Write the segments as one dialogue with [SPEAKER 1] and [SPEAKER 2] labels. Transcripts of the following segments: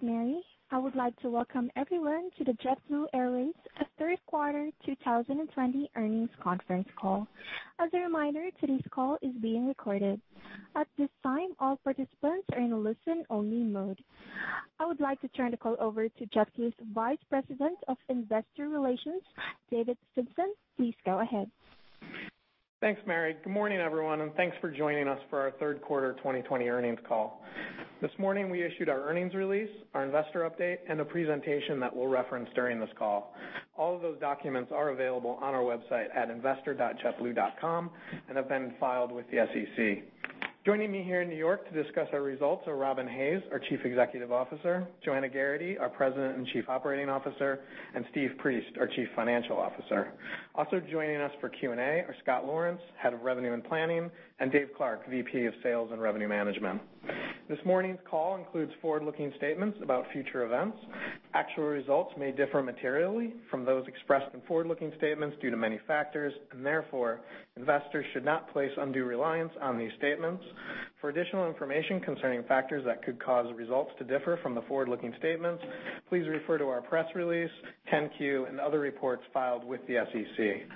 [SPEAKER 1] Good morning. My name is Mary. I would like to welcome everyone to the JetBlue Airways third quarter 2020 earnings conference call. As a reminder, today's call is being recorded. At this time, all participants are in listen-only mode. I would like to turn the call over to JetBlue's Vice President of Investor Relations, David Fintzen. Please go ahead.
[SPEAKER 2] Thanks, Mary. Good morning, everyone, and thanks for joining us for our third quarter 2020 earnings call. This morning we issued our earnings release, our investor update, and a presentation that we'll reference during this call. All of those documents are available on our website at investor.jetblue.com and have been filed with the SEC. Joining me here in New York to discuss our results are Robin Hayes, our Chief Executive Officer, Joanna Geraghty, our President and Chief Operating Officer, and Steve Priest, our Chief Financial Officer. Also joining us for Q&A are Scott Laurence, Head of Revenue and Planning, and Dave Clark, VP of Sales and Revenue Management. This morning's call includes forward-looking statements about future events. Actual results may differ materially from those expressed in forward-looking statements due to many factors, and therefore, investors should not place undue reliance on these statements. For additional information concerning factors that could cause results to differ from the forward-looking statements, please refer to our press release, 10-Q, and other reports filed with the SEC.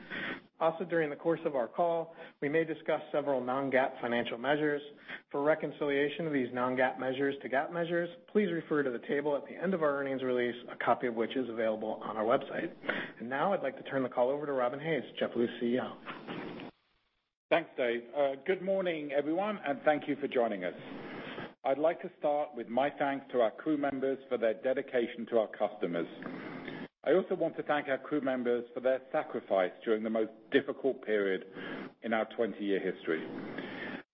[SPEAKER 2] Also, during the course of our call, we may discuss several non-GAAP financial measures. For reconciliation of these non-GAAP measures to GAAP measures, please refer to the table at the end of our earnings release, a copy of which is available on our website. Now I'd like to turn the call over to Robin Hayes, JetBlue's CEO.
[SPEAKER 3] Thanks, Dave. Good morning, everyone, thank you for joining us. I'd like to start with my thanks to our crew members for their dedication to our customers. I also want to thank our crew members for their sacrifice during the most difficult period in our 20-year history.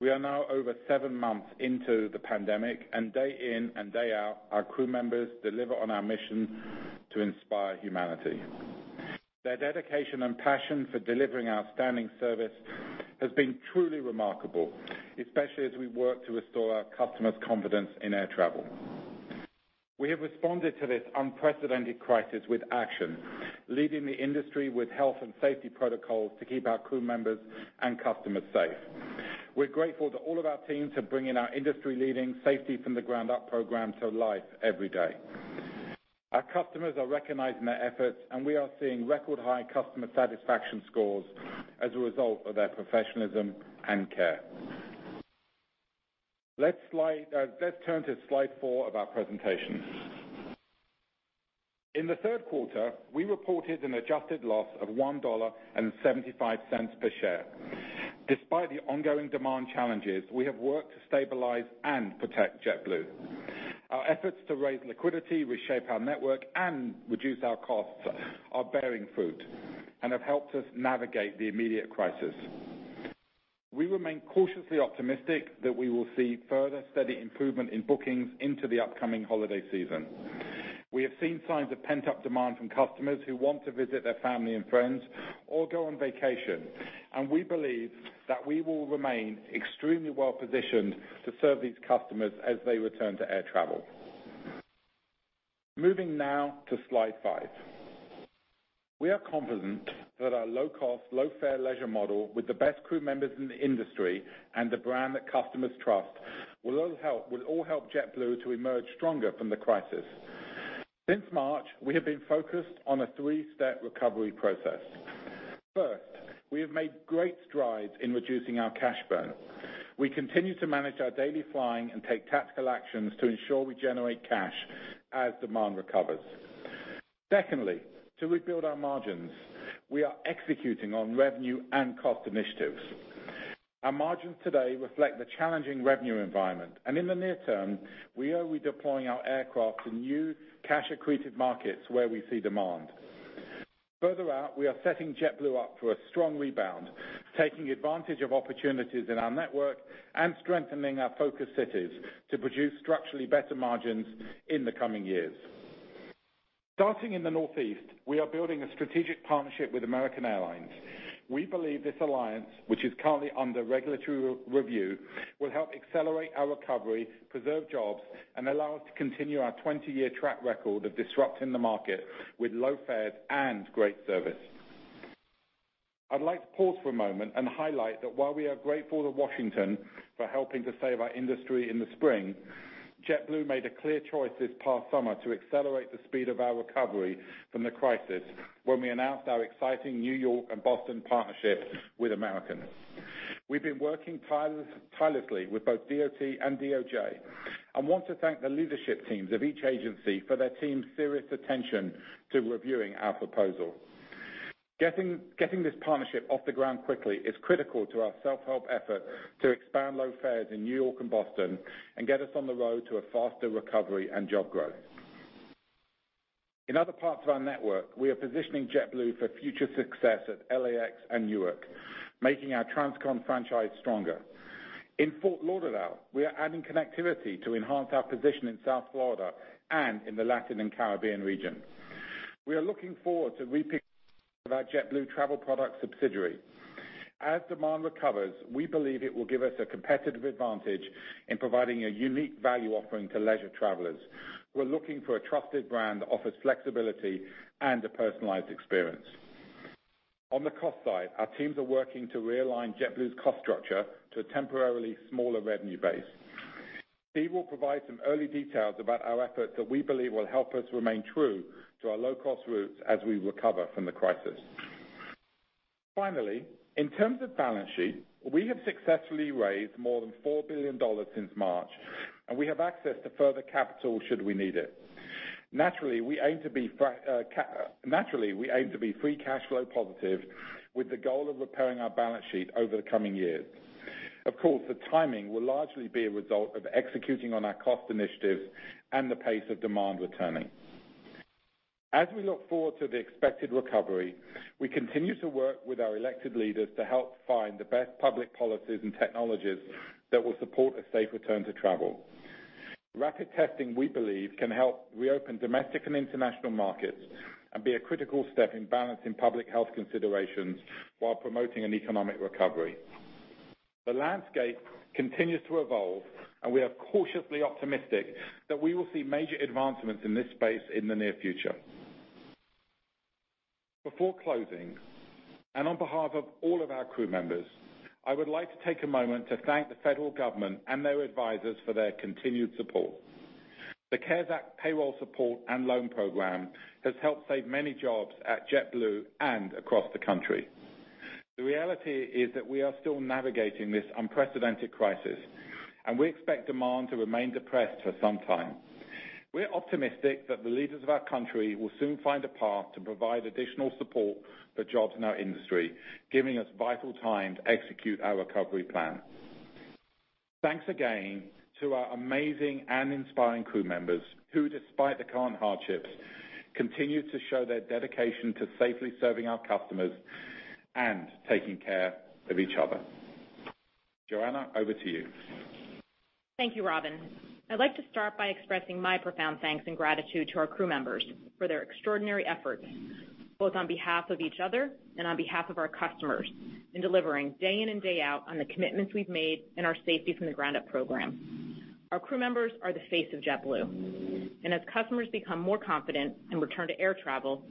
[SPEAKER 3] We are now over seven months into the pandemic, and day in and day out, our crew members deliver on our mission to inspire humanity. Their dedication and passion for delivering outstanding service has been truly remarkable, especially as we work to restore our customers' confidence in air travel. We have responded to this unprecedented crisis with action, leading the industry with health and safety protocols to keep our crew members and customers safe. We're grateful to all of our teams for bringing our industry-leading Safety from the Ground Up program to life every day. Our customers are recognizing their efforts, and we are seeing record-high customer satisfaction scores as a result of their professionalism and care. Let's turn to slide four of our presentation. In the third quarter, we reported an adjusted loss of $1.75 per share. Despite the ongoing demand challenges, we have worked to stabilize and protect JetBlue. Our efforts to raise liquidity, reshape our network, and reduce our costs are bearing fruit and have helped us navigate the immediate crisis. We remain cautiously optimistic that we will see further steady improvement in bookings into the upcoming holiday season. We have seen signs of pent-up demand from customers who want to visit their family and friends or go on vacation, and we believe that we will remain extremely well-positioned to serve these customers as they return to air travel. Moving now to slide five. We are confident that our low-cost, low-fare leisure model with the best crew members in the industry and the brand that customers trust will all help JetBlue to emerge stronger from the crisis. Since March, we have been focused on a three-step recovery process. First, we have made great strides in reducing our cash burn. We continue to manage our daily flying and take tactical actions to ensure we generate cash as demand recovers. Secondly, to rebuild our margins, we are executing on revenue and cost initiatives. Our margins today reflect the challenging revenue environment, and in the near term, we are redeploying our aircraft to new cash-accretive markets where we see demand. Further out, we are setting JetBlue up for a strong rebound, taking advantage of opportunities in our network and strengthening our focus cities to produce structurally better margins in the coming years. Starting in the Northeast, we are building a strategic partnership with American Airlines. We believe this alliance, which is currently under regulatory review, will help accelerate our recovery, preserve jobs, and allow us to continue our 20-year track record of disrupting the market with low fares and great service. I'd like to pause for a moment and highlight that while we are grateful to Washington for helping to save our industry in the spring, JetBlue made a clear choice this past summer to accelerate the speed of our recovery from the crisis when we announced our exciting New York and Boston partnership with American. We've been working tirelessly with both DOT and DOJ and want to thank the leadership teams of each agency for their team's serious attention to reviewing our proposal. Getting this partnership off the ground quickly is critical to our self-help effort to expand low fares in New York and Boston and get us on the road to a faster recovery and job growth. In other parts of our network, we are positioning JetBlue for future success at LAX and Newark, making our transcon franchise stronger. In Fort Lauderdale, we are adding connectivity to enhance our position in South Florida and in the Latin and Caribbean region. We are looking forward to repurposing our JetBlue Travel Products subsidiary. As demand recovers, we believe it will give us a competitive advantage in providing a unique value offering to leisure travelers who are looking for a trusted brand that offers flexibility and a personalized experience. On the cost side, our teams are working to realign JetBlue's cost structure to a temporarily smaller revenue base. Steve will provide some early details about our efforts that we believe will help us remain true to our low-cost roots as we recover from the crisis. In terms of balance sheet, we have successfully raised more than $4 billion since March, and we have access to further capital should we need it. Naturally, we aim to be free cash flow positive, with the goal of repairing our balance sheet over the coming years. The timing will largely be a result of executing on our cost initiatives and the pace of demand returning. As we look forward to the expected recovery, we continue to work with our elected leaders to help find the best public policies and technologies that will support a safe return to travel. Rapid testing, we believe, can help reopen domestic and international markets and be a critical step in balancing public health considerations while promoting an economic recovery. The landscape continues to evolve, we are cautiously optimistic that we will see major advancements in this space in the near future. Before closing, on behalf of all of our crew members, I would like to take a moment to thank the federal government and their advisors for their continued support. The CARES Act payroll support and loan program has helped save many jobs at JetBlue and across the country. The reality is that we are still navigating this unprecedented crisis, we expect demand to remain depressed for some time. We're optimistic that the leaders of our country will soon find a path to provide additional support for jobs in our industry, giving us vital time to execute our recovery plan. Thanks again to our amazing and inspiring crew members who, despite the current hardships, continue to show their dedication to safely serving our customers and taking care of each other. Joanna, over to you.
[SPEAKER 4] Thank you, Robin. I'd like to start by expressing my profound thanks and gratitude to our crew members for their extraordinary efforts, both on behalf of each other and on behalf of our customers, in delivering day in and day out on the commitments we've made in our Safety from the Ground Up program. Our crew members are the face of JetBlue, and as customers become more confident and return to air travel,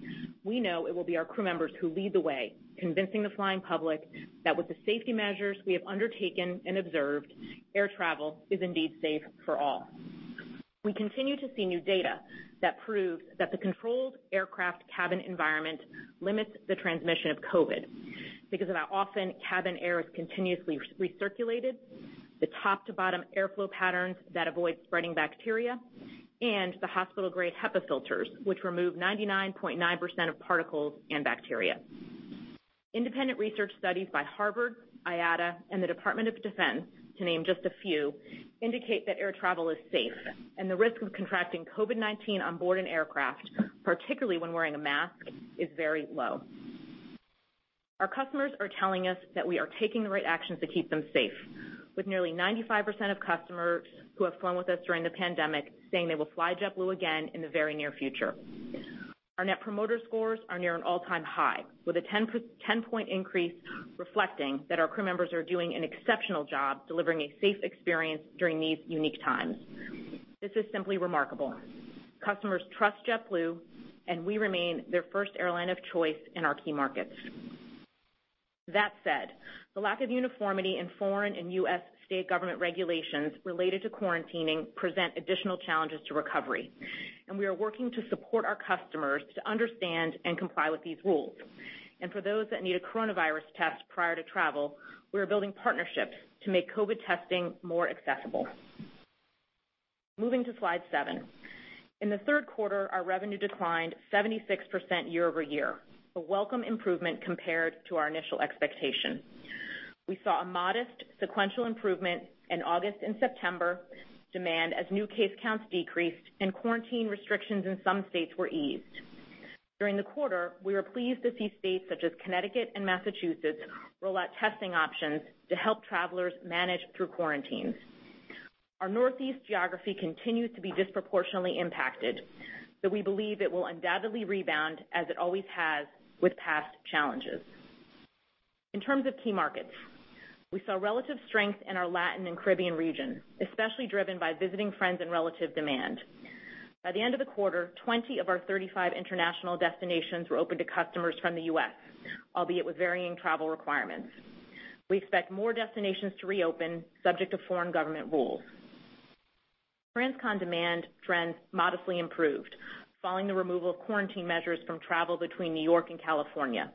[SPEAKER 4] we know it will be our crew members who lead the way, convincing the flying public that with the safety measures we have undertaken and observed, air travel is indeed safe for all. We continue to see new data that proves that the controlled aircraft cabin environment limits the transmission of COVID because of how often cabin air is continuously recirculated, the top-to-bottom airflow patterns that avoid spreading bacteria, and the hospital-grade HEPA filters, which remove 99.9% of particles and bacteria. Independent research studies by Harvard, IATA, and the Department of Defense, to name just a few, indicate that air travel is safe, and the risk of contracting COVID-19 on board an aircraft, particularly when wearing a mask, is very low. Our customers are telling us that we are taking the right actions to keep them safe. With nearly 95% of customers who have flown with us during the pandemic saying they will fly JetBlue again in the very near future. Our Net Promoter Scores are near an all-time high, with a 10-point increase reflecting that our crew members are doing an exceptional job delivering a safe experience during these unique times. This is simply remarkable. Customers trust JetBlue. We remain their first airline of choice in our key markets. That said, the lack of uniformity in foreign and U.S. state government regulations related to quarantining present additional challenges to recovery. We are working to support our customers to understand and comply with these rules. For those that need a coronavirus test prior to travel, we are building partnerships to make COVID testing more accessible. Moving to slide seven. In the third quarter, our revenue declined 76% year-over-year, a welcome improvement compared to our initial expectation. We saw a modest sequential improvement in August and September demand as new case counts decreased and quarantine restrictions in some states were eased. During the quarter, we were pleased to see states such as Connecticut and Massachusetts roll out testing options to help travelers manage through quarantines. Our Northeast geography continues to be disproportionately impacted, but we believe it will undoubtedly rebound as it always has with past challenges. In terms of key markets, we saw relative strength in our Latin and Caribbean region, especially driven by visiting friends and relative demand. By the end of the quarter, 20 of our 35 international destinations were open to customers from the U.S., albeit with varying travel requirements. We expect more destinations to reopen subject to foreign government rules. Transcon demand trends modestly improved following the removal of quarantine measures from travel between New York and California.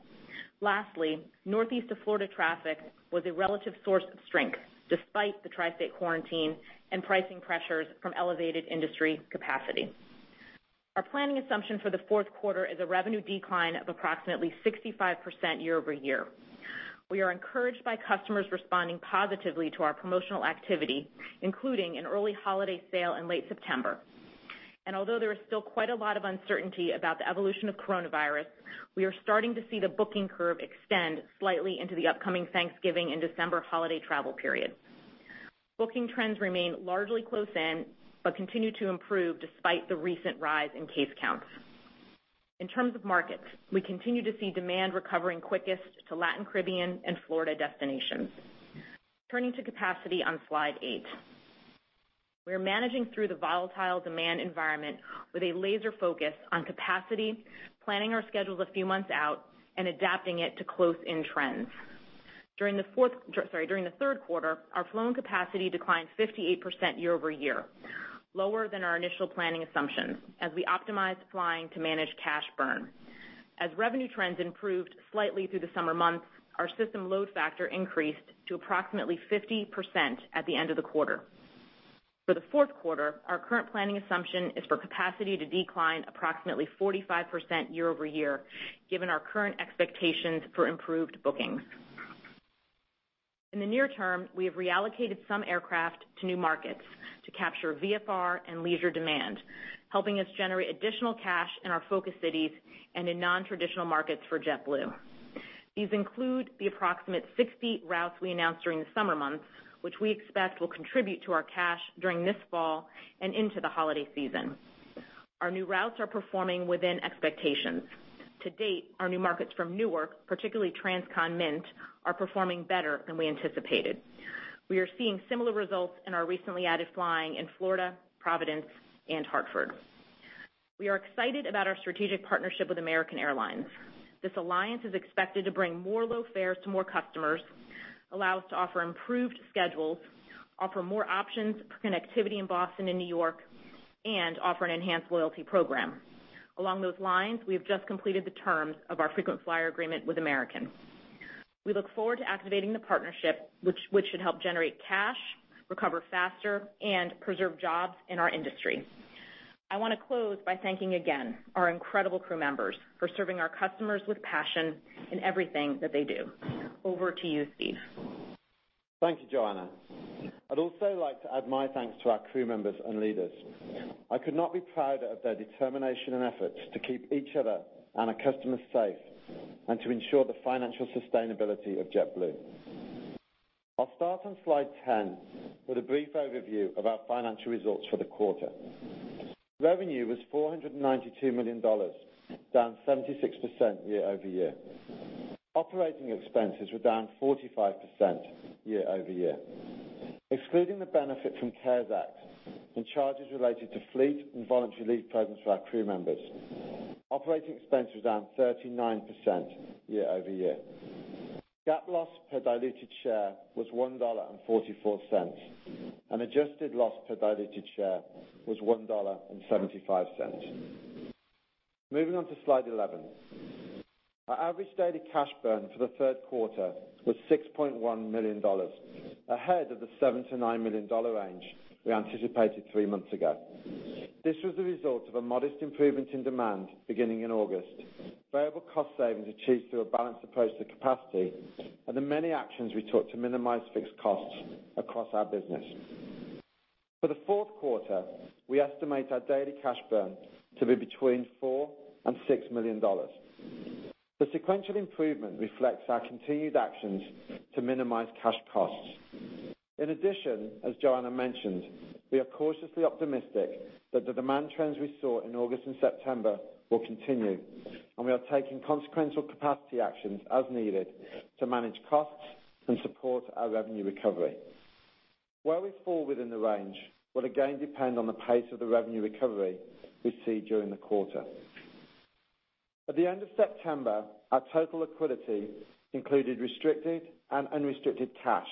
[SPEAKER 4] Lastly, Northeast to Florida traffic was a relative source of strength despite the tri-state quarantine and pricing pressures from elevated industry capacity. Our planning assumption for the fourth quarter is a revenue decline of approximately 65% year-over-year. We are encouraged by customers responding positively to our promotional activity, including an early holiday sale in late September. Although there is still quite a lot of uncertainty about the evolution of coronavirus, we are starting to see the booking curve extend slightly into the upcoming Thanksgiving and December holiday travel period. Booking trends remain largely close in, continue to improve despite the recent rise in case counts. In terms of markets, we continue to see demand recovering quickest to Latin Caribbean and Florida destinations. Turning to capacity on slide eight. We are managing through the volatile demand environment with a laser focus on capacity, planning our schedules a few months out, and adapting it to close-in trends. During the third quarter, our flown capacity declined 58% year-over-year, lower than our initial planning assumptions as we optimized flying to manage cash burn. As revenue trends improved slightly through the summer months, our system load factor increased to approximately 50% at the end of the quarter. For the fourth quarter, our current planning assumption is for capacity to decline approximately 45% year-over-year, given our current expectations for improved bookings. In the near term, we have reallocated some aircraft to new markets to capture VFR and leisure demand, helping us generate additional cash in our focus cities and in non-traditional markets for JetBlue. These include the approximate 60 routes we announced during the summer months, which we expect will contribute to our cash during this fall and into the holiday season. Our new routes are performing within expectations. To date, our new markets from Newark, particularly transcon Mint, are performing better than we anticipated. We are seeing similar results in our recently added flying in Florida, Providence, and Hartford. We are excited about our strategic partnership with American Airlines. This alliance is expected to bring more low fares to more customers, allow us to offer improved schedules, offer more options for connectivity in Boston and New York, and offer an enhanced loyalty program. Along those lines, we have just completed the terms of our frequent flyer agreement with American. We look forward to activating the partnership, which should help generate cash, recover faster, and preserve jobs in our industry. I want to close by thanking again our incredible crew members for serving our customers with passion in everything that they do. Over to you, Steve.
[SPEAKER 5] Thank you, Joanna. I'd also like to add my thanks to our crew members and leaders. I could not be prouder of their determination and efforts to keep each other and our customers safe, and to ensure the financial sustainability of JetBlue. I'll start on slide 10 with a brief overview of our financial results for the quarter. Revenue was $492 million, down 76% year-over-year. Operating expenses were down 45% year-over-year. Excluding the benefit from CARES Act and charges related to fleet and voluntary leave programs for our crew members, operating expense was down 39% year-over-year. GAAP loss per diluted share was $1.44, and adjusted loss per diluted share was $1.75. Moving on to slide 11. Our average daily cash burn for the third quarter was $6.1 million, ahead of the $7 million-$9 million range we anticipated three months ago. This was the result of a modest improvement in demand beginning in August, variable cost savings achieved through a balanced approach to capacity, and the many actions we took to minimize fixed costs across our business. For the fourth quarter, we estimate our daily cash burn to be between $4 and $6 million. The sequential improvement reflects our continued actions to minimize cash costs. As Joanna mentioned, we are cautiously optimistic that the demand trends we saw in August and September will continue, and we are taking consequential capacity actions as needed to manage costs and support our revenue recovery. Where we fall within the range will again depend on the pace of the revenue recovery we see during the quarter. At the end of September, our total liquidity, including restricted and unrestricted cash,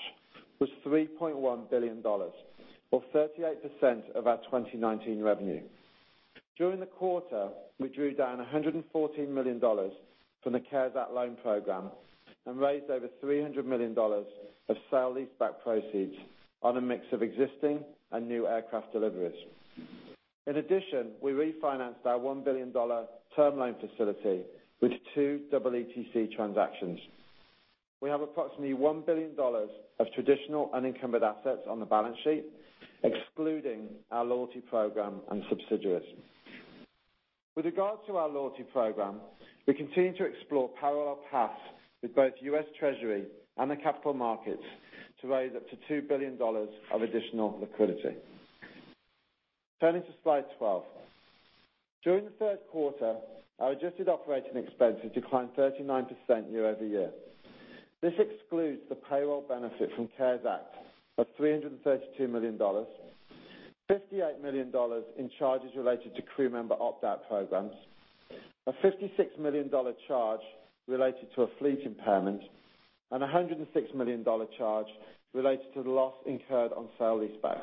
[SPEAKER 5] was $3.1 billion, or 38% of our 2019 revenue. During the quarter, we drew down $114 million from the CARES Act loan program and raised over $300 million of sale leaseback proceeds on a mix of existing and new aircraft deliveries. We refinanced our $1 billion term loan facility with two double EETC transactions. We have approximately $1 billion of traditional unencumbered assets on the balance sheet, excluding our loyalty program and subsidiaries. With regard to our loyalty program, we continue to explore parallel paths with both US Treasury and the capital markets to raise up to $2 billion of additional liquidity. Turning to slide 12. During the third quarter, our adjusted operating expenses declined 39% year-over-year. This excludes the payroll benefit from CARES Act of $332 million, $58 million in charges related to crew member opt-out programs, a $56 million charge related to a fleet impairment, and a $106 million charge related to the loss incurred on sale leaseback.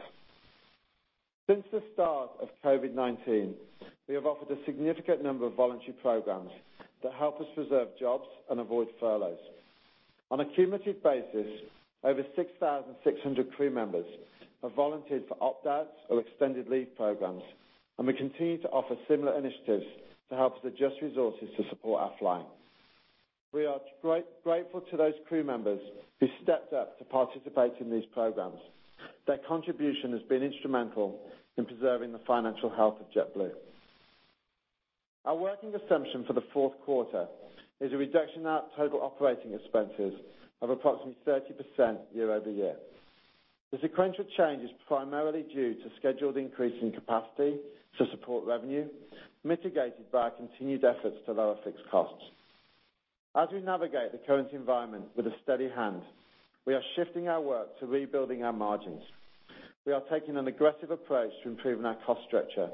[SPEAKER 5] Since the start of COVID-19, we have offered a significant number of voluntary programs that help us preserve jobs and avoid furloughs. On a cumulative basis, over 6,600 crew members have volunteered for opt-outs or extended leave programs, and we continue to offer similar initiatives to help us adjust resources to support our flying. We are grateful to those crew members who stepped up to participate in these programs. Their contribution has been instrumental in preserving the financial health of JetBlue. Our working assumption for the fourth quarter is a reduction in our total operating expenses of approximately 30% year-over-year. The sequential change is primarily due to scheduled increase in capacity to support revenue, mitigated by our continued efforts to lower fixed costs. As we navigate the current environment with a steady hand, we are shifting our work to rebuilding our margins. We are taking an aggressive approach to improving our cost structure,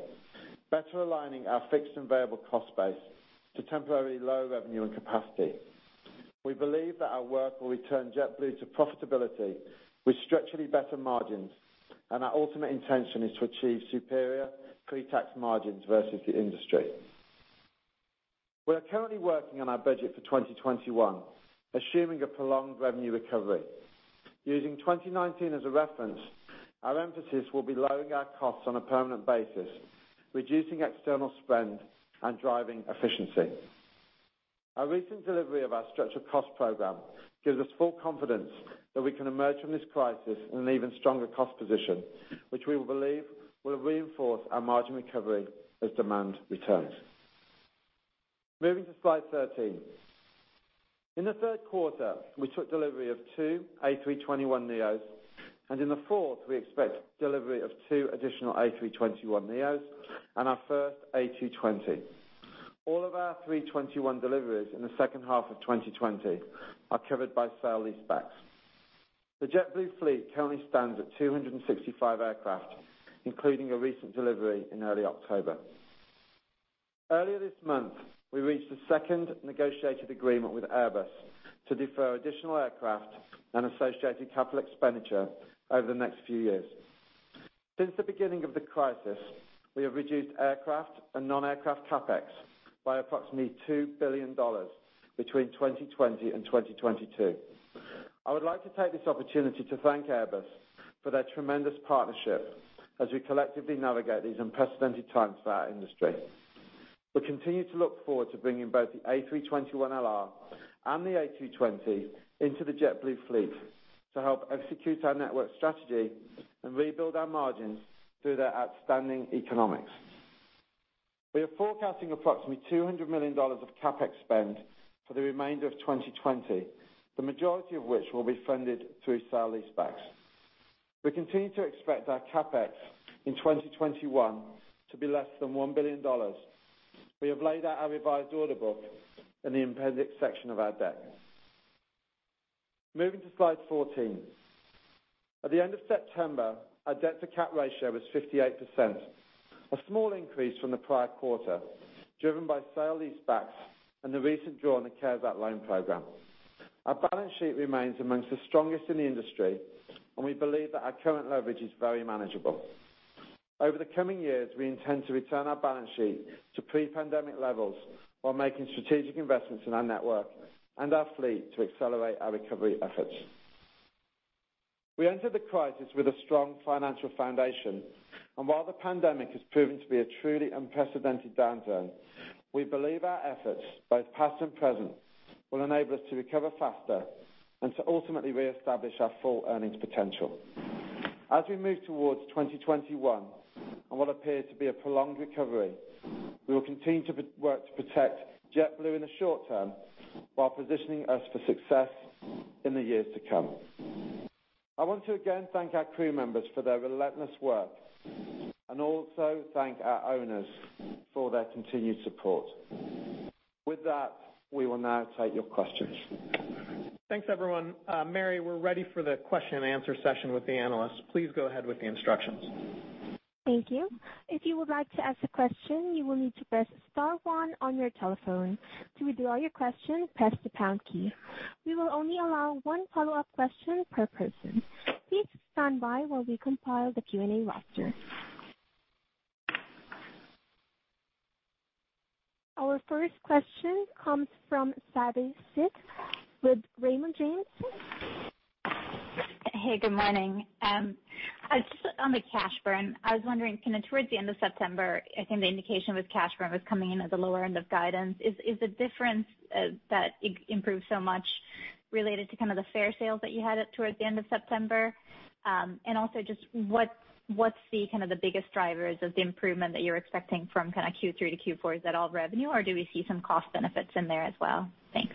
[SPEAKER 5] better aligning our fixed and variable cost base to temporarily low revenue and capacity. We believe that our work will return JetBlue to profitability with structurally better margins, and our ultimate intention is to achieve superior pre-tax margins versus the industry. We are currently working on our budget for 2021, assuming a prolonged revenue recovery. Using 2019 as a reference, our emphasis will be lowering our costs on a permanent basis, reducing external spend, and driving efficiency. Our recent delivery of our structural cost program gives us full confidence that we can emerge from this crisis in an even stronger cost position, which we believe will reinforce our margin recovery as demand returns. Moving to slide 13. In the third quarter, we took delivery of two A321neos, and in the fourth, we expect delivery of two additional A321neos and our first A220. All of our 321 deliveries in the second half of 2020 are covered by sale-leasebacks. The JetBlue fleet currently stands at 265 aircraft, including a recent delivery in early October. Earlier this month, we reached a second negotiated agreement with Airbus to defer additional aircraft and associated capital expenditure over the next few years. Since the beginning of the crisis, we have reduced aircraft and non-aircraft CapEx by approximately $2 billion between 2020 and 2022. I would like to take this opportunity to thank Airbus for their tremendous partnership as we collectively navigate these unprecedented times for our industry. We continue to look forward to bringing both the A321LR and the A220 into the JetBlue fleet to help execute our network strategy and rebuild our margins through their outstanding economics. We are forecasting approximately $200 million of CapEx spend for the remainder of 2020, the majority of which will be funded through sale-leasebacks. We continue to expect our CapEx in 2021 to be less than $1 billion. We have laid out our revised order book in the appendix section of our deck. Moving to slide 14. At the end of September, our debt-to-cap ratio was 58%, a small increase from the prior quarter, driven by sale-leasebacks and the recent draw on the CARES Act loan program. Our balance sheet remains amongst the strongest in the industry. We believe that our current leverage is very manageable. Over the coming years, we intend to return our balance sheet to pre-pandemic levels while making strategic investments in our network and our fleet to accelerate our recovery efforts. We entered the crisis with a strong financial foundation, and while the pandemic has proven to be a truly unprecedented downturn, we believe our efforts, both past and present, will enable us to recover faster and to ultimately reestablish our full earnings potential. As we move towards 2021 and what appears to be a prolonged recovery, we will continue to work to protect JetBlue in the short term while positioning us for success in the years to come. I want to again thank our crew members for their relentless work. Also thank our owners for their continued support. With that, we will now take your questions.
[SPEAKER 2] Thanks, everyone. Mary, we're ready for the question and answer session with the analysts. Please go ahead with the instructions.
[SPEAKER 1] Thank you. If you would like to ask a question, you will need to press star one on your telephone. To withdraw your question, press the pound key. We will only allow one follow-up question per person. Please stand by while we compile the Q&A roster. Our first question comes from Savanthi Syth with Raymond James.
[SPEAKER 6] Hey, good morning. Just on the cash burn, I was wondering, towards the end of September, I think the indication with cash burn was coming in at the lower end of guidance. Is the difference that improved so much related to the fare sales that you had towards the end of September? What's the biggest drivers of the improvement that you're expecting from Q3 to Q4? Is that all revenue, or do we see some cost benefits in there as well? Thanks.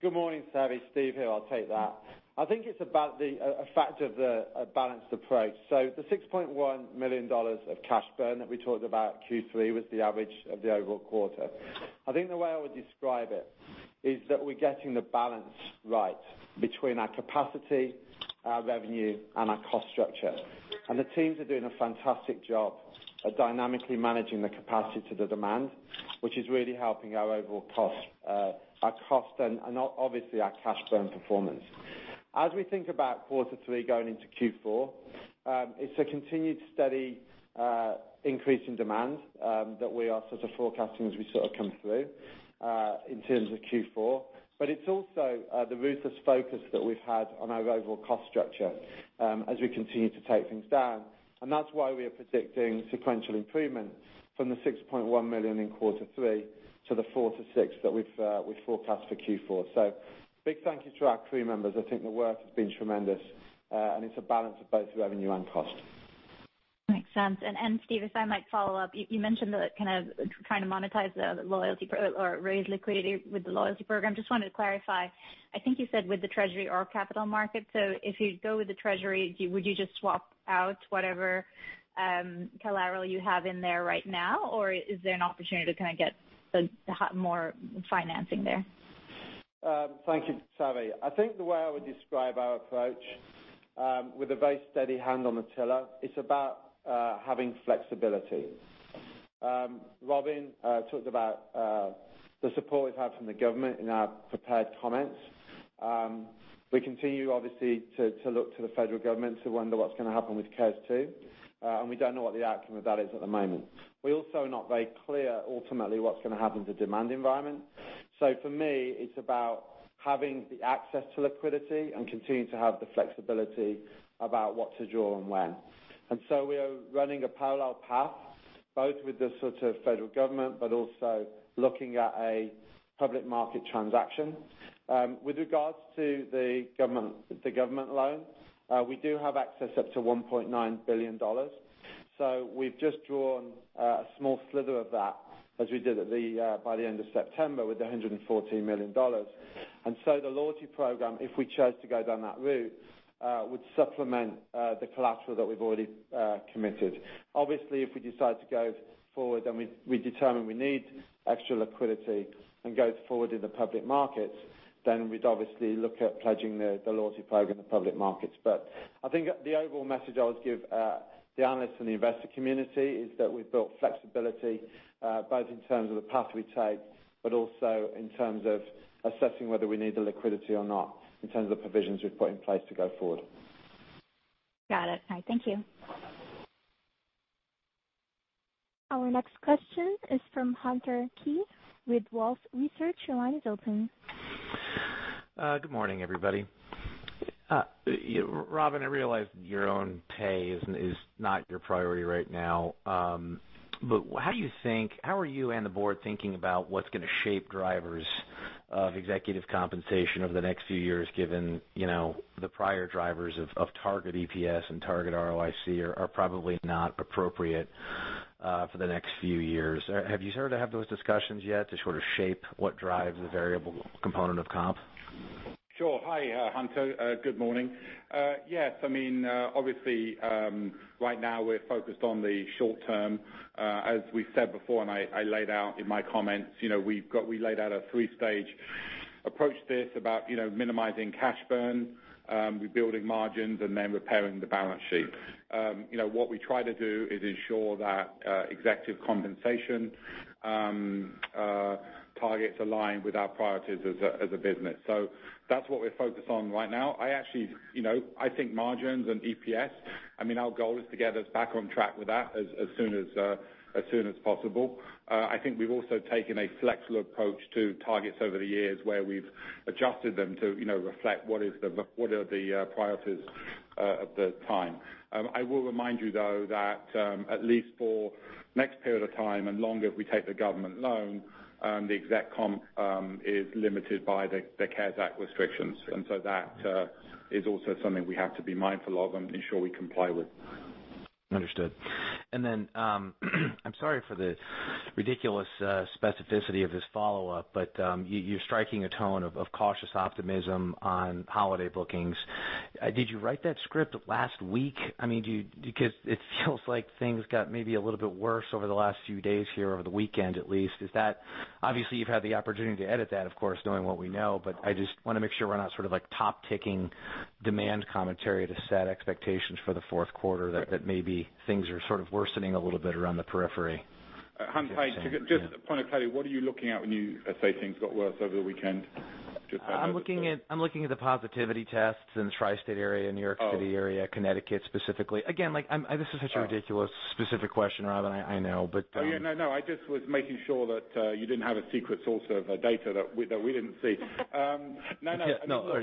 [SPEAKER 5] Good morning, Savi. Steve here. I'll take that. I think it's about a factor of the balanced approach. The $6.1 million of cash burn that we talked about Q3 was the average of the overall quarter. I think the way I would describe it is that we're getting the balance right between our capacity, our revenue, and our cost structure. The teams are doing a fantastic job of dynamically managing the capacity to the demand, which is really helping our overall cost, and obviously our cash burn performance. As we think about Q3 going into Q4, it's a continued steady increase in demand that we are forecasting as we come through in terms of Q4. It's also the ruthless focus that we've had on our overall cost structure as we continue to take things down, and that's why we are predicting sequential improvement from the $6.1 million in quarter three to the $4 million-$6 million that we've forecast for Q4. Big thank you to our crew members. I think the work has been tremendous, and it's a balance of both revenue and cost.
[SPEAKER 6] Makes sense. Steve, if I might follow up, you mentioned trying to monetize the loyalty or raise liquidity with the loyalty program. Just wanted to clarify, I think you said with the Treasury or capital market. If you go with the Treasury, would you just swap out whatever collateral you have in there right now, or is there an opportunity to get more financing there?
[SPEAKER 5] Thank you, Savi. I think the way I would describe our approach, with a very steady hand on the tiller, it's about having flexibility. Robin talked about the support we've had from the government in our prepared comments. We continue, obviously, to look to the federal government to wonder what's going to happen with CARES 2, and we don't know what the outcome of that is at the moment. We're also not very clear ultimately what's going to happen to the demand environment. For me, it's about having the access to liquidity and continuing to have the flexibility about what to draw and when. We are running a parallel path, both with the federal government, but also looking at a public market transaction. With regards to the government loan, we do have access up to $1.9 billion. We've just drawn a small sliver of that as we did by the end of September with the $114 million. The loyalty program, if we chose to go down that route, would supplement the collateral that we've already committed. Obviously, if we decide to go forward and we determine we need extra liquidity and go forward in the public markets, then we'd obviously look at pledging the loyalty program in the public markets. I think the overall message I would give the analysts and the investor community is that we've built flexibility, both in terms of the path we take, but also in terms of assessing whether we need the liquidity or not, in terms of the provisions we've put in place to go forward.
[SPEAKER 6] Got it. All right, thank you.
[SPEAKER 1] Our next question is from Hunter Keay with Wolfe Research. Your line is open.
[SPEAKER 7] Good morning, everybody. Robin, I realize your own pay is not your priority right now. How are you and the board thinking about what's going to shape drivers of executive compensation over the next few years, given the prior drivers of target EPS and target ROIC are probably not appropriate for the next few years? Have you started to have those discussions yet to sort of shape what drives the variable component of comp?
[SPEAKER 3] Sure. Hi, Hunter. Good morning. Yes, obviously, right now we're focused on the short term. As we said before, and I laid out in my comments, we laid out a three-stage approach to this about minimizing cash burn, rebuilding margins, and then repairing the balance sheet. What we try to do is ensure that executive compensation targets align with our priorities as a business. That's what we're focused on right now. I think margins and EPS, our goal is to get us back on track with that as soon as possible. I think we've also taken a flexible approach to targets over the years, where we've adjusted them to reflect what are the priorities of the time. I will remind you, though, that at least for the next period of time and longer, if we take the government loan, the exec comp is limited by the CARES Act restrictions.
[SPEAKER 5] That is also something we have to be mindful of and ensure we comply with.
[SPEAKER 7] Understood. I'm sorry for the ridiculous specificity of this follow-up, you're striking a tone of cautious optimism on holiday bookings. Did you write that script last week? It feels like things got maybe a little bit worse over the last few days here, over the weekend, at least. Obviously, you've had the opportunity to edit that, of course, knowing what we know, I just want to make sure we're not sort of top-ticking demand commentary to set expectations for the fourth quarter, that maybe things are sort of worsening a little bit around the periphery.
[SPEAKER 3] Hunter, just a point of clarity, what are you looking at when you say things got worse over the weekend?
[SPEAKER 7] I'm looking at the positivity tests in the tri-state area, New York City area.
[SPEAKER 3] Oh
[SPEAKER 7] Connecticut specifically. Again, this is such a ridiculous specific question, Robin, I know. Oh, yeah, no. I just was making sure that you didn't have a secret source of data that we didn't see. No, no. No,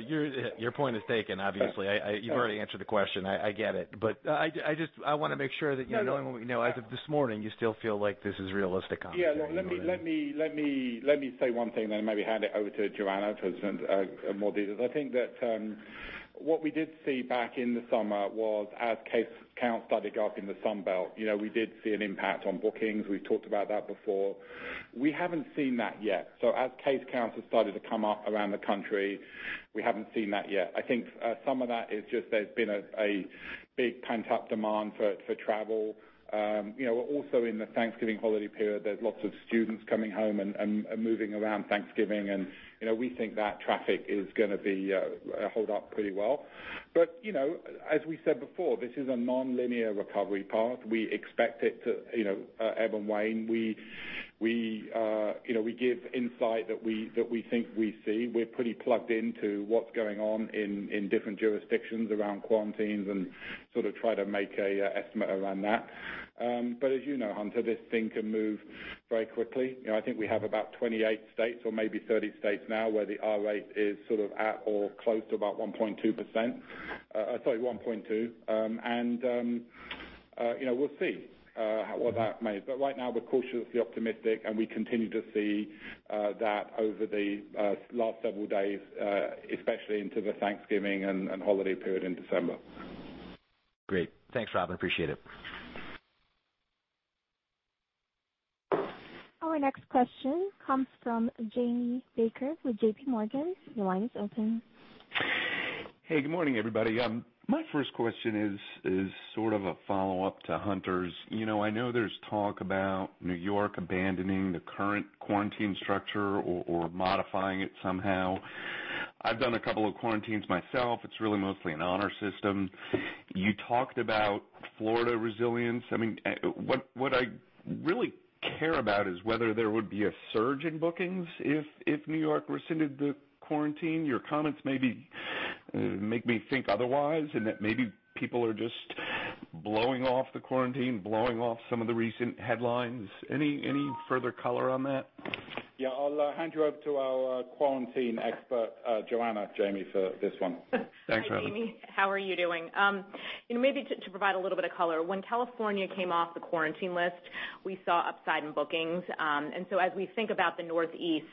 [SPEAKER 7] your point is taken, obviously. You've already answered the question. I get it.
[SPEAKER 3] No, no.
[SPEAKER 7] knowing what we know as of this morning, you still feel like this is realistic commentary?
[SPEAKER 3] Yeah. Let me say one thing, then maybe hand it over to Joanna to present more details. I think that what we did see back in the summer was as case counts started to go up in the Sun Belt, we did see an impact on bookings. We've talked about that before. We haven't seen that yet. As case counts have started to come up around the country, we haven't seen that yet. I think some of that is just there's been a big pent-up demand for travel. Also in the Thanksgiving holiday period, there's lots of students coming home and moving around Thanksgiving, and we think that traffic is going to hold up pretty well. As we said before, this is a nonlinear recovery path. We expect it to ebb and wane. We give insight that we think we see. We're pretty plugged into what's going on in different jurisdictions around quarantines and sort of try to make an estimate around that. As you know, Hunter, this thing can move very quickly. I think we have about 28 states or maybe 30 states now where the R rate is sort of at or close to about 1.2. Right now, we're cautiously optimistic, and we continue to see that over the last several days, especially into the Thanksgiving and holiday period in December.
[SPEAKER 7] Great. Thanks, Robin. Appreciate it.
[SPEAKER 1] Our next question comes from Jamie Baker with JPMorgan. Your line is open.
[SPEAKER 8] Hey, good morning, everybody. My first question is sort of a follow-up to Hunter's. I know there's talk about New York abandoning the current quarantine structure or modifying it somehow. I've done a couple of quarantines myself. It's really mostly an honor system. You talked about Florida resilience. What I really care about is whether there would be a surge in bookings if New York rescinded the quarantine. Your comments maybe make me think otherwise, and that maybe people are just blowing off the quarantine, blowing off some of the recent headlines. Any further color on that?
[SPEAKER 3] Yeah. I'll hand you over to our quarantine expert, Joanna, Jamie, for this one.
[SPEAKER 8] Thanks, Rob.
[SPEAKER 4] Hi, Jamie. How are you doing? Maybe to provide a little bit of color, when California came off the quarantine list, we saw upside in bookings. As we think about the Northeast,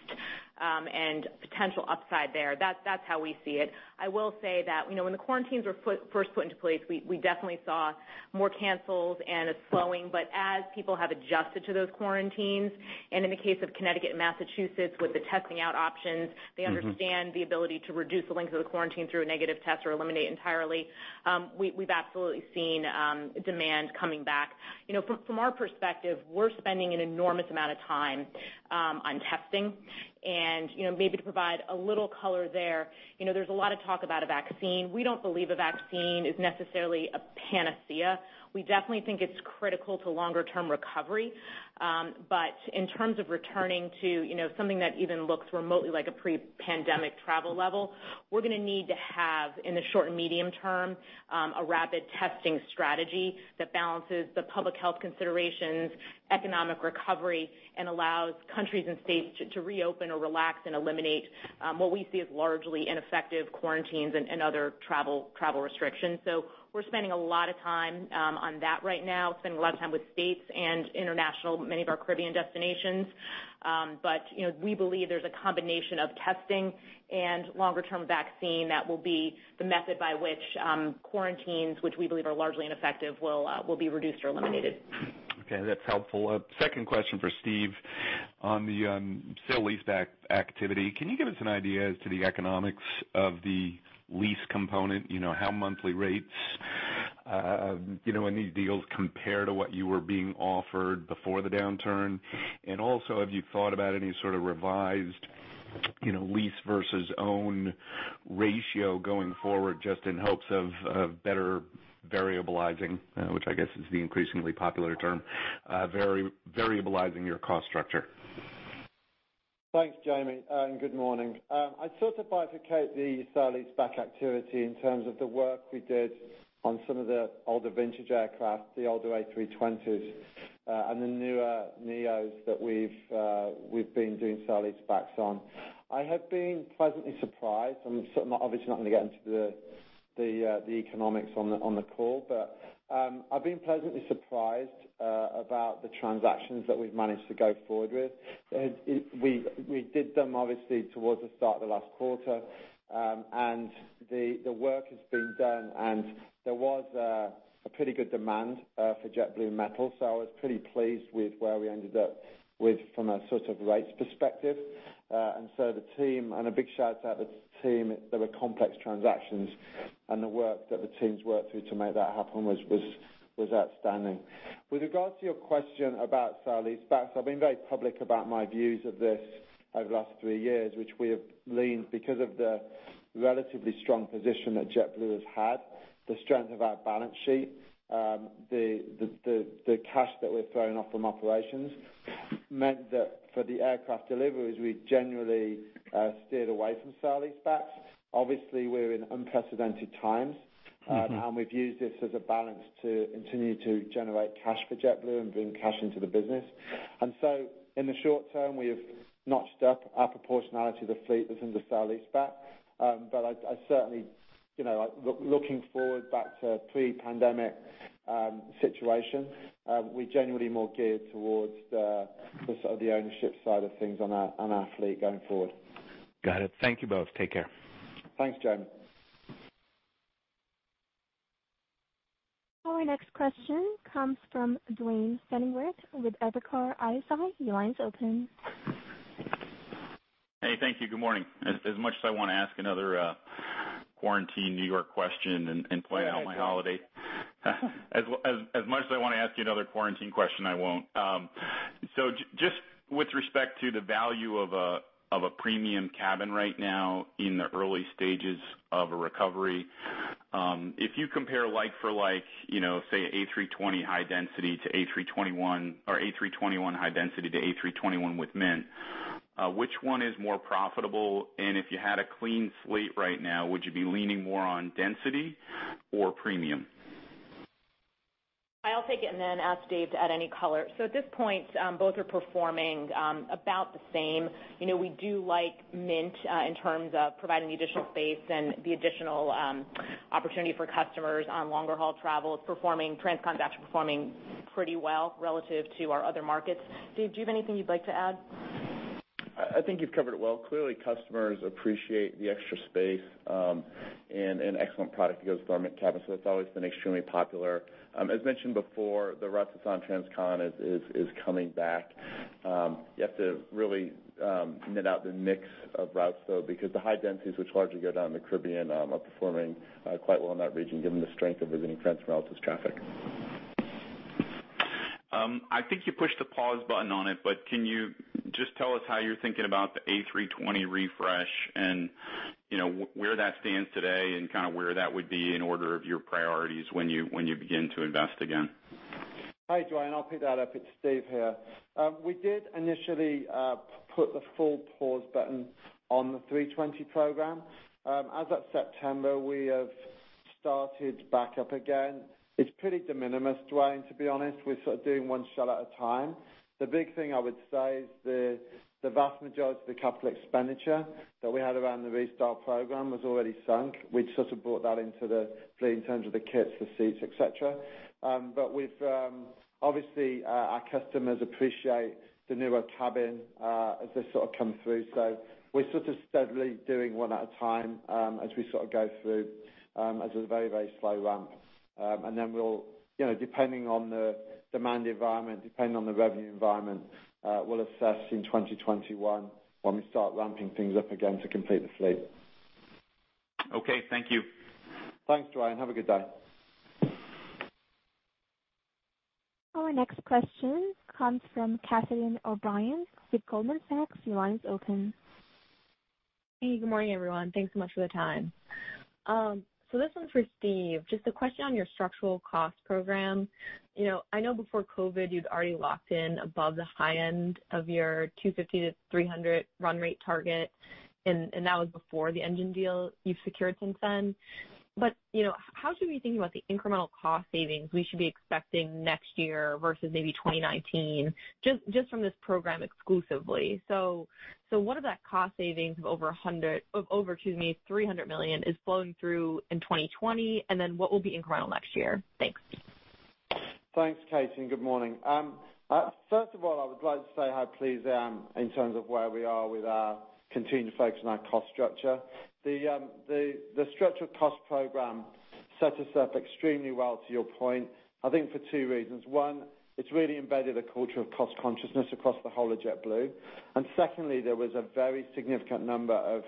[SPEAKER 4] and potential upside there, that's how we see it. I will say that when the quarantines were first put into place, we definitely saw more cancels and a slowing. As people have adjusted to those quarantines, and in the case of Connecticut and Massachusetts, with the testing-out options, they understand the ability to reduce the length of the quarantine through a negative test or eliminate entirely. We've absolutely seen demand coming back. From our perspective, we're spending an enormous amount of time on testing and maybe to provide a little color there's a lot of talk about a vaccine. We don't believe a vaccine is necessarily a panacea. We definitely think it's critical to longer-term recovery. In terms of returning to something that even looks remotely like a pre-pandemic travel level, we're going to need to have, in the short and medium term, a rapid testing strategy that balances the public health considerations, economic recovery, and allows countries and states to reopen or relax and eliminate what we see as largely ineffective quarantines and other travel restrictions. We're spending a lot of time on that right now, spending a lot of time with states and international, many of our Caribbean destinations. We believe there's a combination of testing and longer-term vaccine that will be the method by which quarantines, which we believe are largely ineffective, will be reduced or eliminated.
[SPEAKER 8] Okay. That's helpful. A second question for Steve on the sale-leaseback activity. Can you give us an idea as to the economics of the lease component? How monthly rates in these deals compare to what you were being offered before the downturn? Have you thought about any sort of revised lease versus own ratio going forward, just in hopes of better variabilizing, which I guess is the increasingly popular term, variabilizing your cost structure?
[SPEAKER 5] Thanks, Jamie. Good morning. I'd sort of bifurcate the sale-leaseback activity in terms of the work we did on some of the older vintage aircraft, the older A320s, and the newer Neos that we've been doing sale-leasebacks on. I have been pleasantly surprised. I'm obviously not going to get into the economics on the call. I've been pleasantly surprised about the transactions that we've managed to go forward with. We did them obviously towards the start of the last quarter. The work has been done, and there was a pretty good demand for JetBlue metal. I was pretty pleased with where we ended up with from a sort of rates perspective. A big shout out to the team. They were complex transactions, and the work that the teams worked through to make that happen was outstanding. With regards to your question about sale-leasebacks, I've been very public about my views of this over the last three years, which we have leaned because of the relatively strong position that JetBlue has had, the strength of our balance sheet. The cash that we're throwing off from operations meant that for the aircraft deliveries, we generally steered away from sale-leasebacks. Obviously, we're in unprecedented times. We've used this as a balance to continue to generate cash for JetBlue and bring cash into the business. In the short term, we have notched up our proportionality of the fleet that's under sale-leaseback. I certainly, looking forward back to pre-pandemic situation, we're generally more geared towards the sort of the ownership side of things on our fleet going forward.
[SPEAKER 8] Got it. Thank you both. Take care.
[SPEAKER 5] Thanks, Jamie.
[SPEAKER 1] Our next question comes from Duane Pfennigwerth with Evercore ISI. Your line's open.
[SPEAKER 9] Hey, thank you. Good morning. As much as I want to ask another quarantine New York question and plan out my holiday.
[SPEAKER 3] Go ahead, Duane.
[SPEAKER 9] As much as I want to ask you another quarantine question, I won't. Just with respect to the value of a premium cabin right now in the early stages of a recovery, if you compare like for like, say A320 high density to A321, or A321 high density to A321 with Mint, which one is more profitable? If you had a clean slate right now, would you be leaning more on density or premium?
[SPEAKER 4] I'll take it and then ask Dave to add any color. At this point, both are performing about the same. We do like Mint in terms of providing the additional space and the additional opportunity for customers on longer haul travel. Transcon actually performing pretty well relative to our other markets. Dave, do you have anything you'd like to add?
[SPEAKER 10] I think you've covered it well. Clearly, customers appreciate the extra space, and an excellent product goes with our Mint cabin, so it's always been extremely popular. As mentioned before, the routes that are on transcon is coming back. You have to really net out the mix of routes, though, because the high densities which largely go down in the Caribbean are performing quite well in that region given the strength of visiting friends relatives traffic.
[SPEAKER 9] I think you pushed the pause button on it, but can you just tell us how you're thinking about the A320 refresh and where that stands today and where that would be in order of your priorities when you begin to invest again?
[SPEAKER 5] Hi, Duane. I'll pick that up. It's Steve here. We did initially put the full pause button on the A320 program. As of September, we have started back up again. It's pretty de minimis, Duane, to be honest. We're sort of doing one shell at a time. The big thing I would say is the vast majority of the CapEx that we had around the restyle program was already sunk. We'd sort of brought that into the fleet in terms of the kits, the seats, et cetera. Obviously, our customers appreciate the newer cabin as they come through. We're steadily doing one at a time as we go through as a very slow ramp. Depending on the demand environment, depending on the revenue environment, we'll assess in 2021 when we start ramping things up again to complete the fleet.
[SPEAKER 9] Okay, thank you.
[SPEAKER 5] Thanks, Duane. Have a good day.
[SPEAKER 1] Our next question comes from Catherine O'Brien with Goldman Sachs. Your line is open.
[SPEAKER 11] Hey, good morning, everyone. Thanks so much for the time. This one's for Steve. Just a question on your structural cost program. I know before COVID you'd already locked in above the high end of your $250 million-$300 million run rate target, and that was before the engine deal you've secured since then. How should we think about the incremental cost savings we should be expecting next year versus maybe 2019, just from this program exclusively? What of that cost savings of over $300 million is flowing through in 2020, and then what will be incremental next year? Thanks.
[SPEAKER 5] Thanks, Cathe. Good morning. First of all, I would like to say how pleased I am in terms of where we are with our continued focus on our cost structure. The structured cost program set us up extremely well, to your point, I think for two reasons. One, it's really embedded a culture of cost consciousness across the whole of JetBlue. Secondly, there was a very significant number of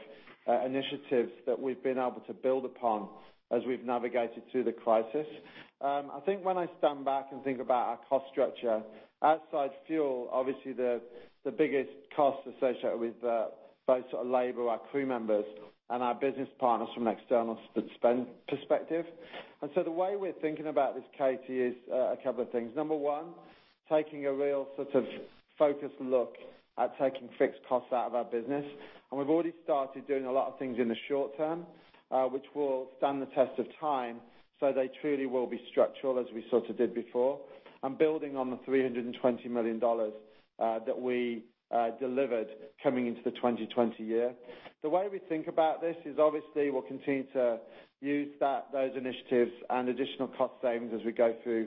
[SPEAKER 5] initiatives that we've been able to build upon as we've navigated through the crisis. I think when I stand back and think about our cost structure, outside fuel, obviously the biggest costs associated with both our labor, our crew members, and our business partners from an external spend perspective. The way we're thinking about this, Cathe, is a couple of things. Number one, taking a real focused look at taking fixed costs out of our business. We've already started doing a lot of things in the short term, which will stand the test of time, so they truly will be structural as we did before. Building on the $320 million that we delivered coming into 2020. The way we think about this is obviously we'll continue to use those initiatives and additional cost savings as we go through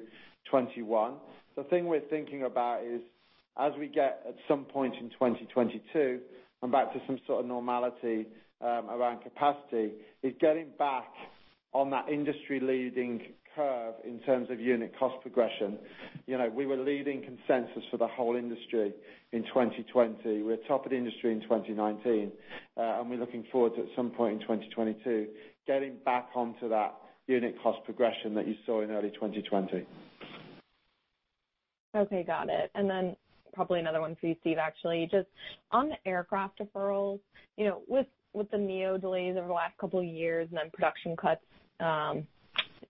[SPEAKER 5] 2021. The thing we're thinking about is as we get at some point in 2022 and back to some sort of normality around capacity, is getting back on that industry-leading curve in terms of unit cost progression. We were leading consensus for the whole industry in 2020. We were top of the industry in 2019. We're looking forward to at some point in 2022, getting back onto that unit cost progression that you saw in early 2020.
[SPEAKER 11] Okay, got it. Probably another one for you, Steve, actually. Just on the aircraft deferrals, with the neo delays over the last couple of years and then production cuts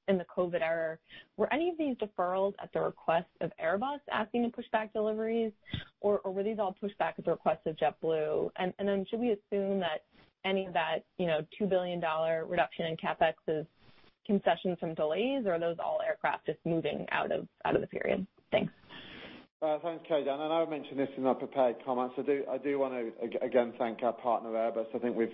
[SPEAKER 11] in the COVID-19 era, were any of these deferrals at the request of Airbus asking to push back deliveries? Or were these all pushed back at the request of JetBlue? Should we assume that any of that $2 billion reduction in CapEx is concessions from delays, or are those all aircraft just moving out of the period? Thanks.
[SPEAKER 5] Thanks, Cathe. I know I mentioned this in my prepared comments. I do want to again thank our partner, Airbus. I think we've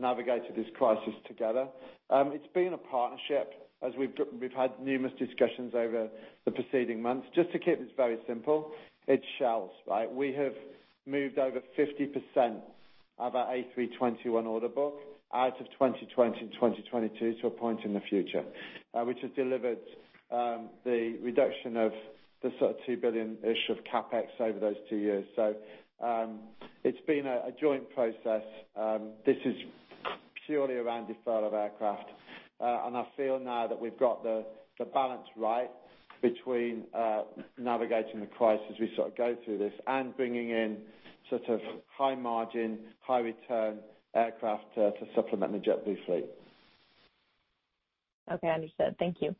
[SPEAKER 5] navigated this crisis together. It's been a partnership as we've had numerous discussions over the preceding months. Just to keep this very simple, it's shells. We have moved over 50% of our A321 order book out of 2020 and 2022 to a point in the future, which has delivered the reduction of the $2 billion-ish of CapEx over those two years. It's been a joint process. This is purely around deferral of aircraft. I feel now that we've got the balance right between navigating the crisis as we go through this and bringing in high margin, high return aircraft to supplement the JetBlue fleet.
[SPEAKER 11] Okay, understood. Thank you.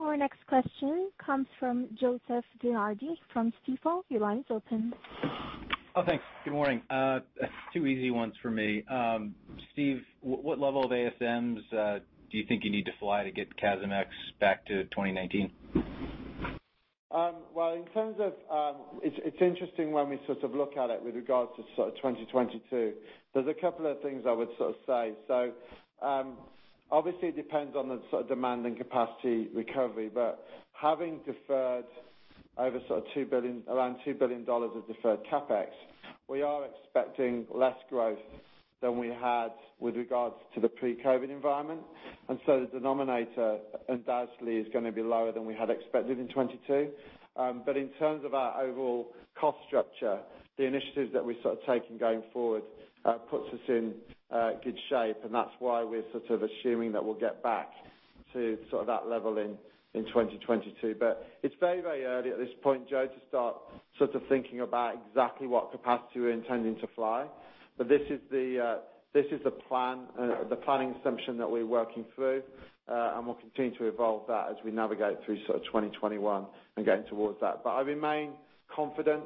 [SPEAKER 1] Our next question comes from Joseph DeNardi from Stifel. Your line is open.
[SPEAKER 12] Thanks. Good morning. Two easy ones for me. Steve, what level of ASMs do you think you need to fly to get CASM-ex back to 2019?
[SPEAKER 5] Well, it's interesting when we look at it with regards to 2022. There's a couple of things I would say. Obviously it depends on the demand and capacity recovery. Having deferred around $2 billion of deferred CapEx, we are expecting less growth than we had with regards to the pre-COVID environment. The denominator undoubtedly is going to be lower than we had expected in 2022. In terms of our overall cost structure, the initiatives that we're taking going forward puts us in good shape, and that's why we're assuming that we'll get back to sort of that level in 2022. It's very early at this point, Joe, to start thinking about exactly what capacity we're intending to fly. This is the planning assumption that we're working through. We'll continue to evolve that as we navigate through 2021 and getting towards that. I remain confident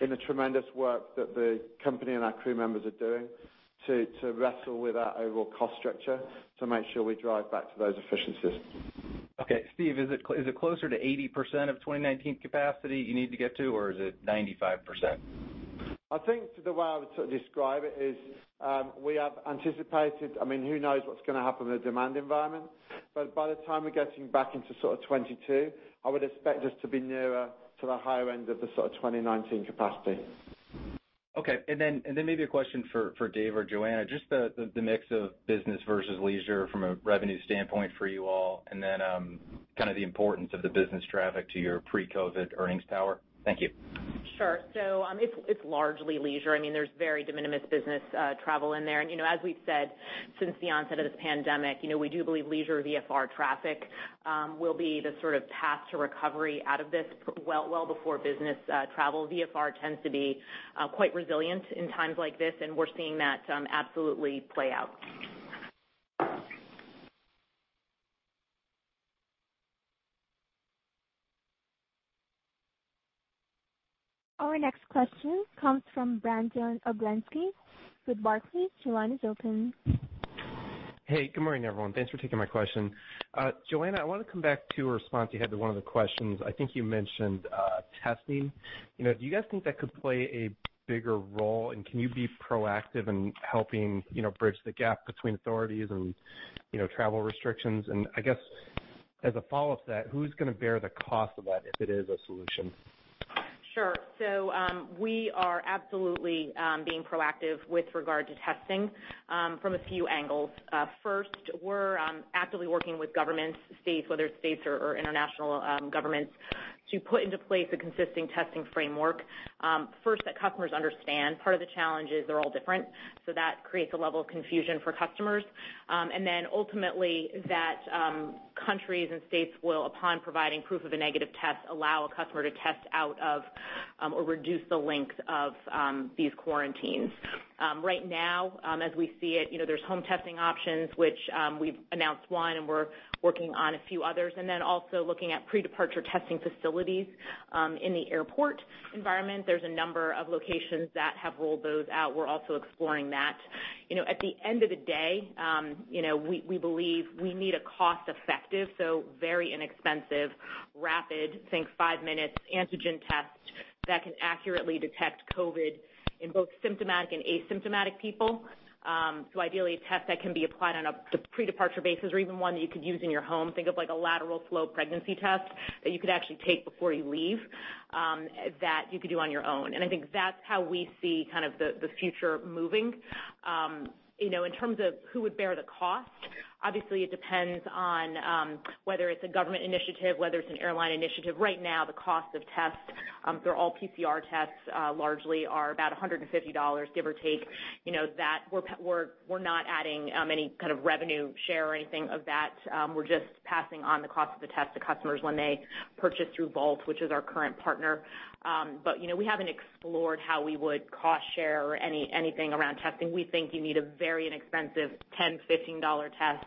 [SPEAKER 5] in the tremendous work that the company and our crew members are doing to wrestle with our overall cost structure to make sure we drive back to those efficiencies.
[SPEAKER 12] Okay. Steve, is it closer to 80% of 2019 capacity you need to get to, or is it 95%?
[SPEAKER 5] I think the way I would describe it is, we have anticipated, who knows what's going to happen in the demand environment, but by the time we're getting back into sort of 2022, I would expect us to be nearer to the higher end of the 2019 capacity.
[SPEAKER 12] Okay. Then maybe a question for Dave or Joanna, just the mix of business versus leisure from a revenue standpoint for you all, and then the importance of the business traffic to your pre-COVID earnings power. Thank you.
[SPEAKER 4] Sure. It's largely leisure. There's very de minimis business travel in there. As we've said since the onset of this pandemic, we do believe leisure VFR traffic will be the path to recovery out of this well before business travel. VFR tends to be quite resilient in times like this, and we're seeing that absolutely play out.
[SPEAKER 1] Our next question comes from Brandon Oglenski with Barclays. Your line is open.
[SPEAKER 13] Hey, good morning, everyone. Thanks for taking my question. Joanna, I want to come back to a response you had to one of the questions. I think you mentioned testing. Do you guys think that could play a bigger role, and can you be proactive in helping bridge the gap between authorities and travel restrictions? I guess as a follow-up to that, who's going to bear the cost of that if it is a solution?
[SPEAKER 4] We are absolutely being proactive with regard to testing from a few angles. First, we're actively working with governments, whether it's states or international governments, to put into place a consistent testing framework. First, that customers understand. Part of the challenge is they're all different, so that creates a level of confusion for customers. Ultimately that countries and states will, upon providing proof of a negative test, allow a customer to test out of or reduce the length of these quarantines. Right now as we see it, there's home testing options, which we've announced one and we're working on a few others. Also looking at pre-departure testing facilities in the airport environment. There's a number of locations that have rolled those out. We're also exploring that. At the end of the day, we believe we need a cost-effective, so very inexpensive, rapid, think five minutes antigen test that can accurately detect COVID in both symptomatic and asymptomatic people. Ideally, a test that can be applied on a pre-departure basis or even one that you could use in your home. Think of like a lateral flow pregnancy test that you could actually take before you leave, that you could do on your own. I think that's how we see the future moving. In terms of who would bear the cost, obviously it depends on whether it's a government initiative, whether it's an airline initiative. Right now, the cost of tests, they're all PCR tests, largely are about $150, give or take. We're not adding any kind of revenue share or anything of that. We're just passing on the cost of the test to customers when they purchase through Vault, which is our current partner. We haven't explored how we would cost share or anything around testing. We think you need a very inexpensive $10, $15 test.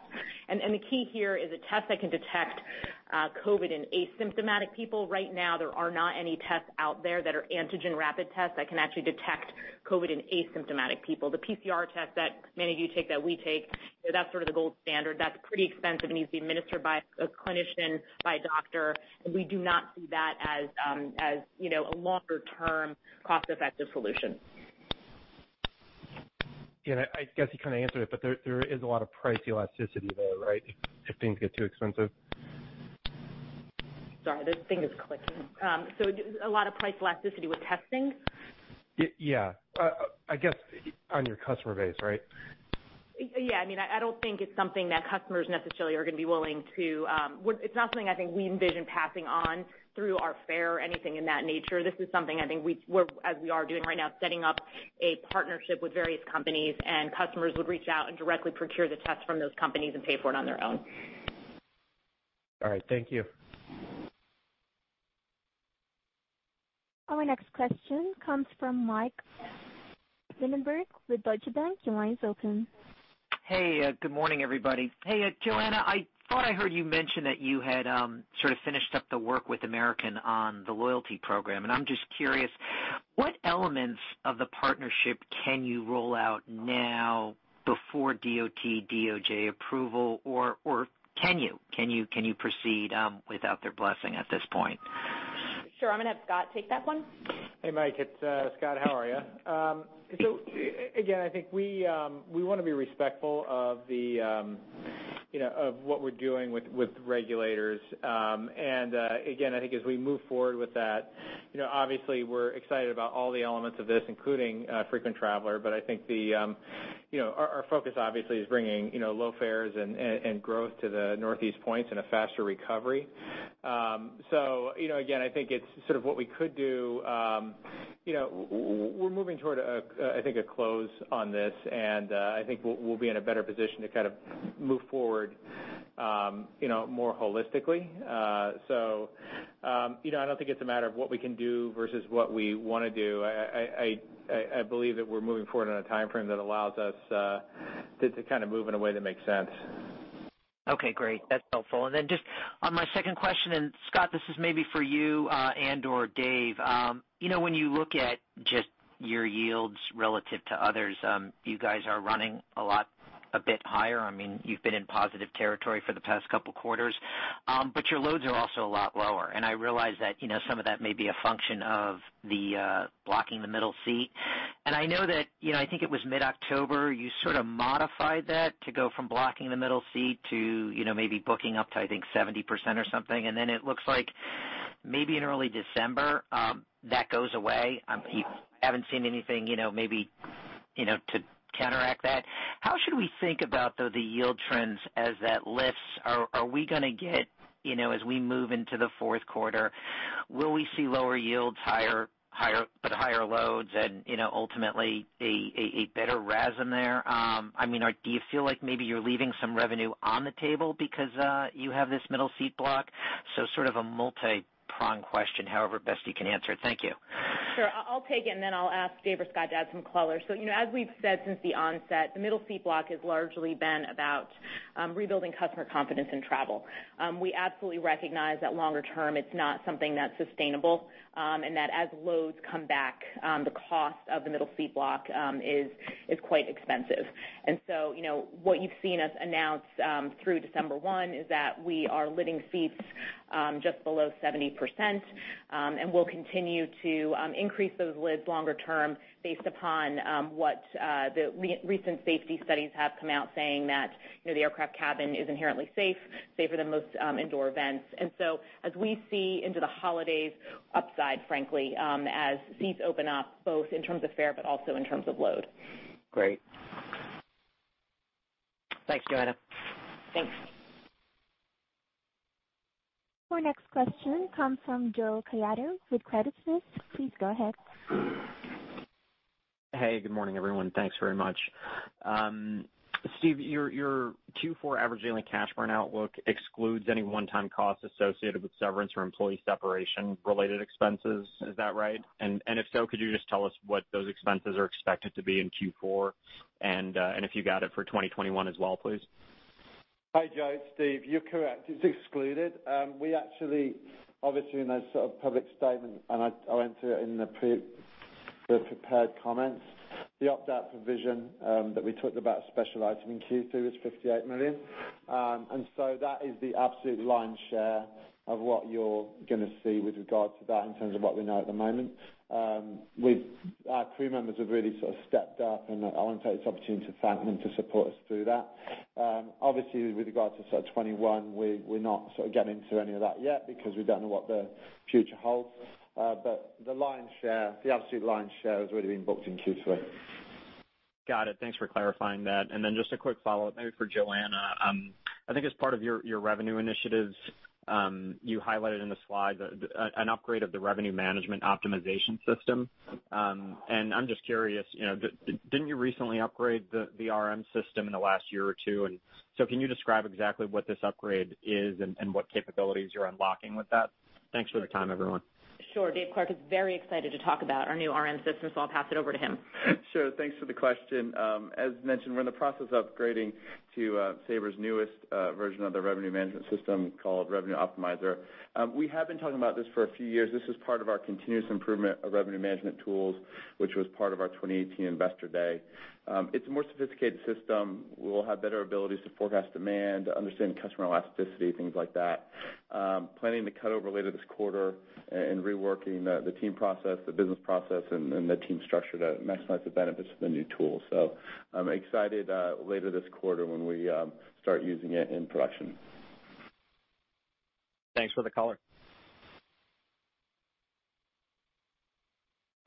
[SPEAKER 4] The key here is a test that can detect COVID in asymptomatic people. Right now, there are not any tests out there that are antigen rapid tests that can actually detect COVID in asymptomatic people. The PCR test that many of you take, that we take, that's sort of the gold standard. That's pretty expensive and needs to be administered by a clinician, by a doctor, and we do not see that as a longer-term cost-effective solution.
[SPEAKER 13] I guess you kind of answered it, but there is a lot of price elasticity there, right, if things get too expensive?
[SPEAKER 4] Sorry, this thing is clicking. A lot of price elasticity with testing?
[SPEAKER 13] Yeah. I guess on your customer base, right?
[SPEAKER 4] Yeah. I don't think it's something that customers necessarily are going to be willing to. It's not something I think we envision passing on through our fare or anything in that nature. This is something I think as we are doing right now, setting up a partnership with various companies, and customers would reach out and directly procure the test from those companies and pay for it on their own.
[SPEAKER 13] All right. Thank you.
[SPEAKER 1] Our next question comes from Mike Linenberg with Deutsche Bank. Your line is open.
[SPEAKER 14] Hey, good morning, everybody. Hey, Joanna, I thought I heard you mention that you had sort of finished up the work with American on the loyalty program, and I'm just curious what elements of the partnership can you roll out now before DOT DOJ approval, or can you proceed without their blessing at this point?
[SPEAKER 4] Sure. I'm going to have Scott take that one.
[SPEAKER 15] Hey, Mike, it's Scott. How are you? Again, I think we want to be respectful of what we're doing with regulators. Again, I think as we move forward with that, obviously we're excited about all the elements of this, including frequent traveler. I think our focus obviously is bringing low fares and growth to the Northeast points and a faster recovery. Again, I think it's sort of what we could do. We're moving toward, I think, a close on this, and I think we'll be in a better position to kind of move forward more holistically. I don't think it's a matter of what we can do versus what we want to do. I believe that we're moving forward in a timeframe that allows us to kind of move in a way that makes sense.
[SPEAKER 14] Okay, great. That's helpful. Then just on my second question, Scott, this is maybe for you, and/or Dave. When you look at just your yields relative to others, you guys are running a lot, a bit higher. You've been in positive territory for the past couple of quarters. Your loads are also a lot lower, and I realize that some of that may be a function of the blocking the middle seat. I know that, I think it was mid-October, you sort of modified that to go from blocking the middle seat to maybe booking up to, I think, 70% or something. Then it looks like maybe in early December, that goes away. I haven't seen anything, maybe, to counteract that. How should we think about, though, the yield trends as that lifts? Are we going to get, as we move into the fourth quarter, will we see lower yields, but higher loads and ultimately a better RASM there? Do you feel like maybe you're leaving some revenue on the table because you have this middle seat block? Sort of a multi-pronged question, however best you can answer it. Thank you.
[SPEAKER 4] Sure. I'll take it, and then I'll ask Dave or Scott to add some color. As we've said since the onset, the middle seat block has largely been about rebuilding customer confidence in travel. We absolutely recognize that longer term, it's not something that's sustainable, and that as loads come back, the cost of the middle seat block is quite expensive. What you've seen us announce through December one is that we are lifting seats just below 70%, and we'll continue to increase those lifts longer term based upon what the recent safety studies have come out saying that the aircraft cabin is inherently safe, safer than most indoor events. As we see into the holidays, upside, frankly, as seats open up, both in terms of fare, but also in terms of load.
[SPEAKER 14] Great. Thanks, Joanna.
[SPEAKER 4] Thanks.
[SPEAKER 1] Our next question comes from Joe Caiado with Credit Suisse. Please go ahead.
[SPEAKER 16] Hey, good morning, everyone. Thanks very much. Steve, your Q4 average daily cash burn outlook excludes any one-time cost associated with severance or employee separation related expenses. Is that right? If so, could you just tell us what those expenses are expected to be in Q4 and if you got it for 2021 as well, please?
[SPEAKER 5] Hi, Joe. Steve. You're correct. It's excluded. We actually, obviously in a sort of public statement, I went through it in the prepared comments, the opt-out provision that we talked about special items in Q2 is $58 million. That is the absolute lion's share of what you're going to see with regard to that in terms of what we know at the moment. Our crew members have really sort of stepped up, I want to take this opportunity to thank them to support us through that. Obviously, with regard to 2021, we're not sort of getting to any of that yet because we don't know what the future holds. The lion's share, the absolute lion's share has already been booked in Q3.
[SPEAKER 16] Got it. Thanks for clarifying that. Just a quick follow-up, maybe for Joanna. I think as part of your revenue initiatives, you highlighted in the slide an upgrade of the revenue management optimization system. I'm just curious, didn't you recently upgrade the RM system in the last year or two? Can you describe exactly what this upgrade is and what capabilities you're unlocking with that? Thanks for the time, everyone.
[SPEAKER 4] Sure. Dave Clark is very excited to talk about our new RM system, so I'll pass it over to him.
[SPEAKER 10] Sure. Thanks for the question. As mentioned, we're in the process of upgrading to Sabre's newest version of their revenue management system called Revenue Optimizer. We have been talking about this for a few years. This is part of our continuous improvement of revenue management tools, which was part of our 2018 investor day. It's a more sophisticated system. We will have better abilities to forecast demand, to understand customer elasticity, things like that. Planning to cut over later this quarter and reworking the team process, the business process, and the team structure to maximize the benefits of the new tool. I'm excited later this quarter when we start using it in production.
[SPEAKER 16] Thanks for the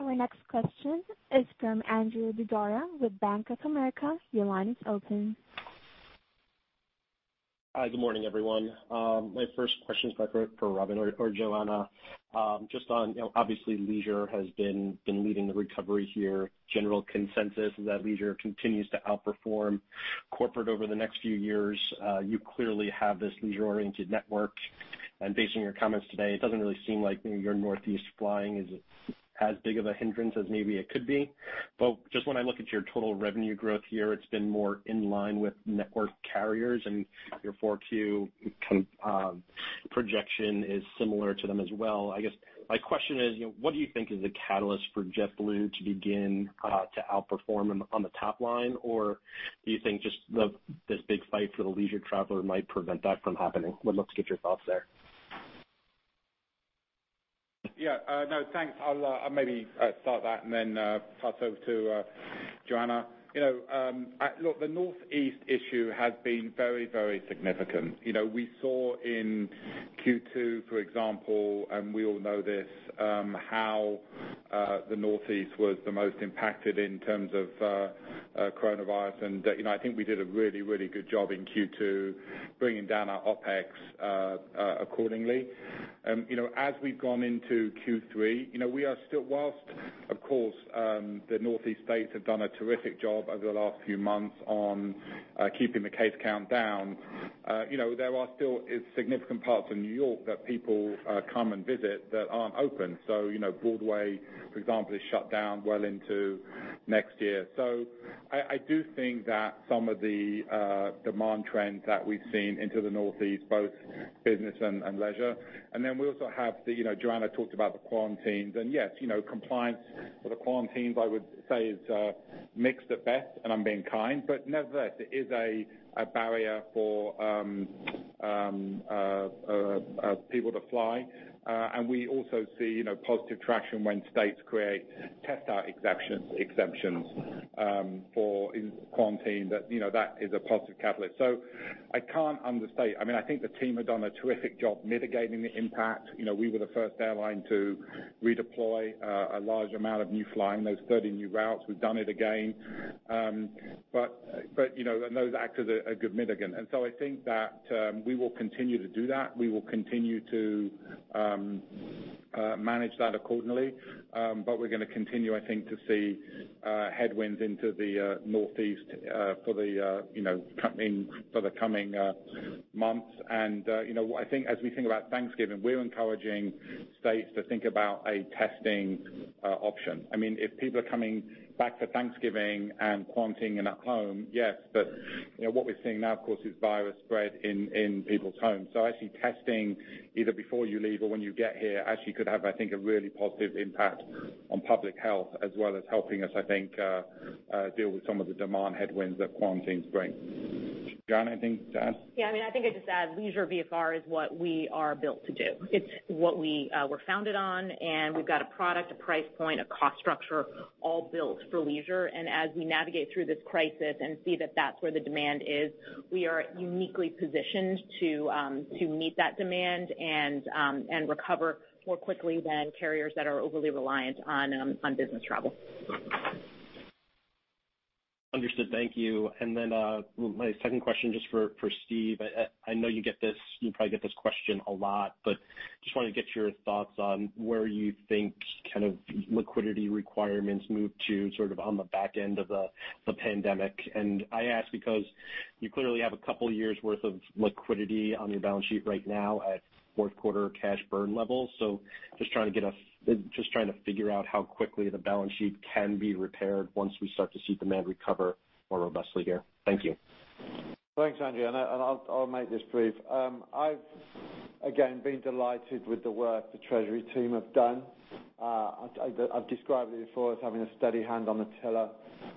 [SPEAKER 16] color.
[SPEAKER 1] Our next question is from Andrew Didora with Bank of America. Your line is open.
[SPEAKER 17] Hi, good morning, everyone. My first question is for Robin or Joanna. Obviously leisure has been leading the recovery here. General consensus is that leisure continues to outperform corporate over the next few years. You clearly have this leisure-oriented network, and based on your comments today, it doesn't really seem like your Northeast flying is as big of a hindrance as maybe it could be. Just when I look at your total revenue growth here, it's been more in line with network carriers, and your 4Q kind of projection is similar to them as well. I guess my question is, what do you think is a catalyst for JetBlue to begin to outperform them on the top line? Do you think just this big fight for the leisure traveler might prevent that from happening? Would love to get your thoughts there.
[SPEAKER 3] Yeah. No, thanks. I'll maybe start that and then pass over to Joanna. Look, the Northeast issue has been very significant. We saw in Q2, for example, and we all know this, how the Northeast was the most impacted in terms of coronavirus, and I think we did a really good job in Q2 bringing down our OpEx accordingly. As we've gone into Q3, we are still whilst, of course The Northeast states have done a terrific job over the last few months on keeping the case count down. There are still significant parts of New York that people come and visit that aren't open. Broadway, for example, is shut down well into next year. I do think that some of the demand trends that we've seen into the Northeast, both business and leisure. We also have the, Joanna talked about the quarantines, yes, compliance for the quarantines, I would say, is mixed at best, and I'm being kind, but nevertheless, it is a barrier for people to fly. We also see positive traction when states create test out exceptions for quarantine. That is a positive catalyst. I think the team have done a terrific job mitigating the impact. We were the first airline to redeploy a large amount of new flying, those 30 new routes. We've done it again. Those act as a good mitigant. I think that we will continue to do that. We will continue to manage that accordingly. We're going to continue, I think, to see headwinds into the Northeast for the coming months. I think as we think about Thanksgiving, we're encouraging states to think about a testing option. If people are coming back for Thanksgiving and quarantining at home, yes, but what we're seeing now, of course, is virus spread in people's homes. Actually testing either before you leave or when you get here actually could have, I think, a really positive impact on public health as well as helping us, I think, deal with some of the demand headwinds that quarantines bring. Joanna, anything to add?
[SPEAKER 4] Yeah, I think I'd just add leisure VFR is what we are built to do. It's what we were founded on, and we've got a product, a price point, a cost structure all built for leisure. As we navigate through this crisis and see that that's where the demand is, we are uniquely positioned to meet that demand and recover more quickly than carriers that are overly reliant on business travel.
[SPEAKER 17] Understood. Thank you. My second question, just for Steve. I know you probably get this question a lot, but just want to get your thoughts on where you think liquidity requirements move to on the back end of the pandemic. I ask because you clearly have a couple of years' worth of liquidity on your balance sheet right now at fourth quarter cash burn levels. Just trying to figure out how quickly the balance sheet can be repaired once we start to see demand recover more robustly here. Thank you.
[SPEAKER 5] Thanks, Andrew. I'll make this brief. I've, again, been delighted with the work the treasury team have done. I've described it before as having a steady hand on the tiller.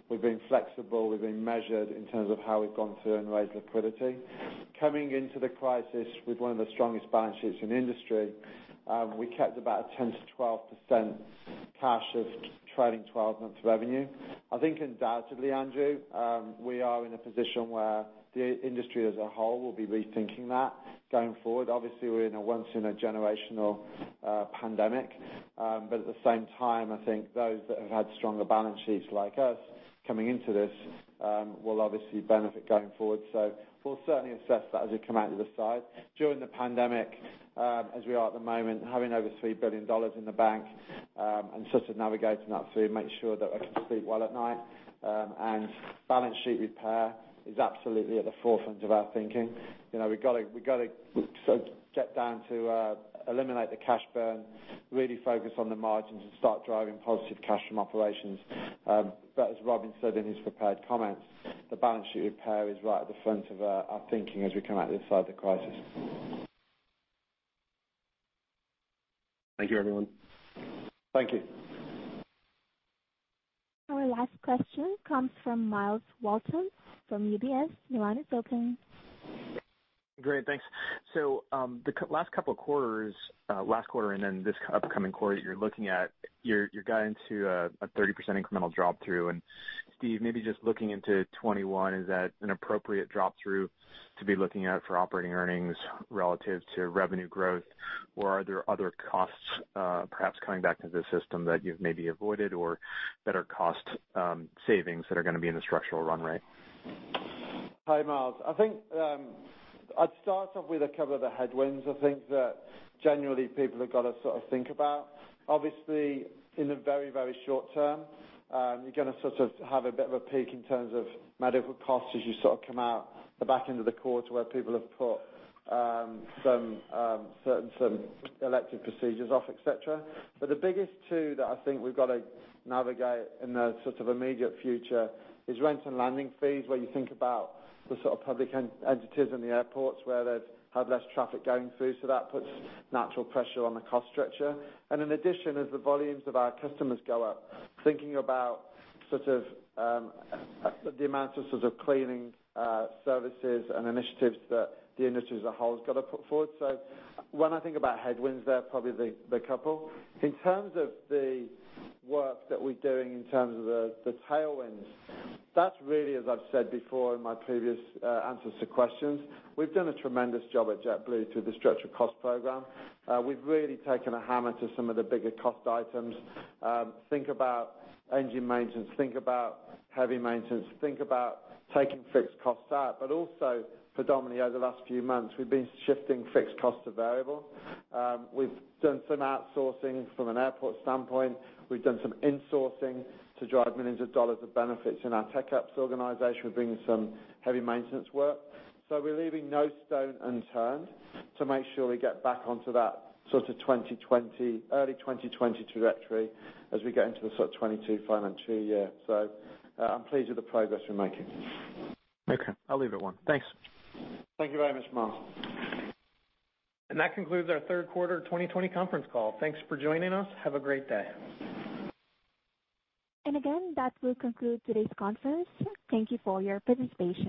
[SPEAKER 5] We've been flexible, we've been measured in terms of how we've gone through and raised liquidity. Coming into the crisis with one of the strongest balance sheets in the industry, we kept about a 10% to 12% cash of trailing 12 months revenue. I think undoubtedly, Andrew, we are in a position where the industry as a whole will be rethinking that going forward. Obviously, we're in a once in a generational pandemic. At the same time, I think those that have had stronger balance sheets like us coming into this, will obviously benefit going forward. We'll certainly assess that as we come out of the side. During the pandemic, as we are at the moment, having over $3 billion in the bank, and sort of navigating that through, make sure that we can sleep well at night. Balance sheet repair is absolutely at the forefront of our thinking. We got to sort of get down to eliminate the cash burn, really focus on the margins, and start driving positive cash from operations. As Robin said in his prepared comments, the balance sheet repair is right at the front of our thinking as we come out this side of the crisis.
[SPEAKER 17] Thank you, everyone.
[SPEAKER 5] Thank you.
[SPEAKER 1] Our last question comes from Myles Walton from UBS. Your line is open.
[SPEAKER 18] Great, thanks. The last couple of quarters, last quarter and then this upcoming quarter you're looking at, you're guiding to a 30% incremental drop through. Steve, maybe just looking into 2021, is that an appropriate drop through to be looking at for operating earnings relative to revenue growth? Are there other costs perhaps coming back into the system that you've maybe avoided or that are cost savings that are going to be in the structural run rate?
[SPEAKER 5] Hi, Myles. I think I'd start off with a couple of the headwinds I think that generally people have got to sort of think about. Obviously, in the very, very short term, you're going to sort of have a bit of a peak in terms of medical costs as you sort of come out the back end of the quarter where people have put some elective procedures off, et cetera. The biggest two that I think we've got to navigate in the sort of immediate future is rent and landing fees, where you think about the sort of public entities in the airports where they've had less traffic going through, so that puts natural pressure on the cost structure. In addition, as the volumes of our customers go up, thinking about sort of the amount of cleaning services and initiatives that the industry as a whole has got to put forward. When I think about headwinds, they're probably the couple. In terms of the work that we're doing in terms of the tailwinds, that's really as I've said before in my previous answers to questions, we've done a tremendous job at JetBlue through the structured cost program. We've really taken a hammer to some of the bigger cost items. Think about engine maintenance, think about heavy maintenance, think about taking fixed costs out. Also predominantly over the last few months, we've been shifting fixed cost to variable. We've done some outsourcing from an airport standpoint. We've done some insourcing to drive millions of dollars of benefits in our Tech Ops organization. We're bringing some heavy maintenance work. We're leaving no stone unturned to make sure we get back onto that sort of early 2020 trajectory as we get into the sort of 2022 financial year. I'm pleased with the progress we're making.
[SPEAKER 18] Okay, I'll leave it one. Thanks.
[SPEAKER 5] Thank you very much, Myles.
[SPEAKER 2] That concludes our third quarter 2020 conference call. Thanks for joining us. Have a great day.
[SPEAKER 1] Again, that will conclude today's conference. Thank you for your participation.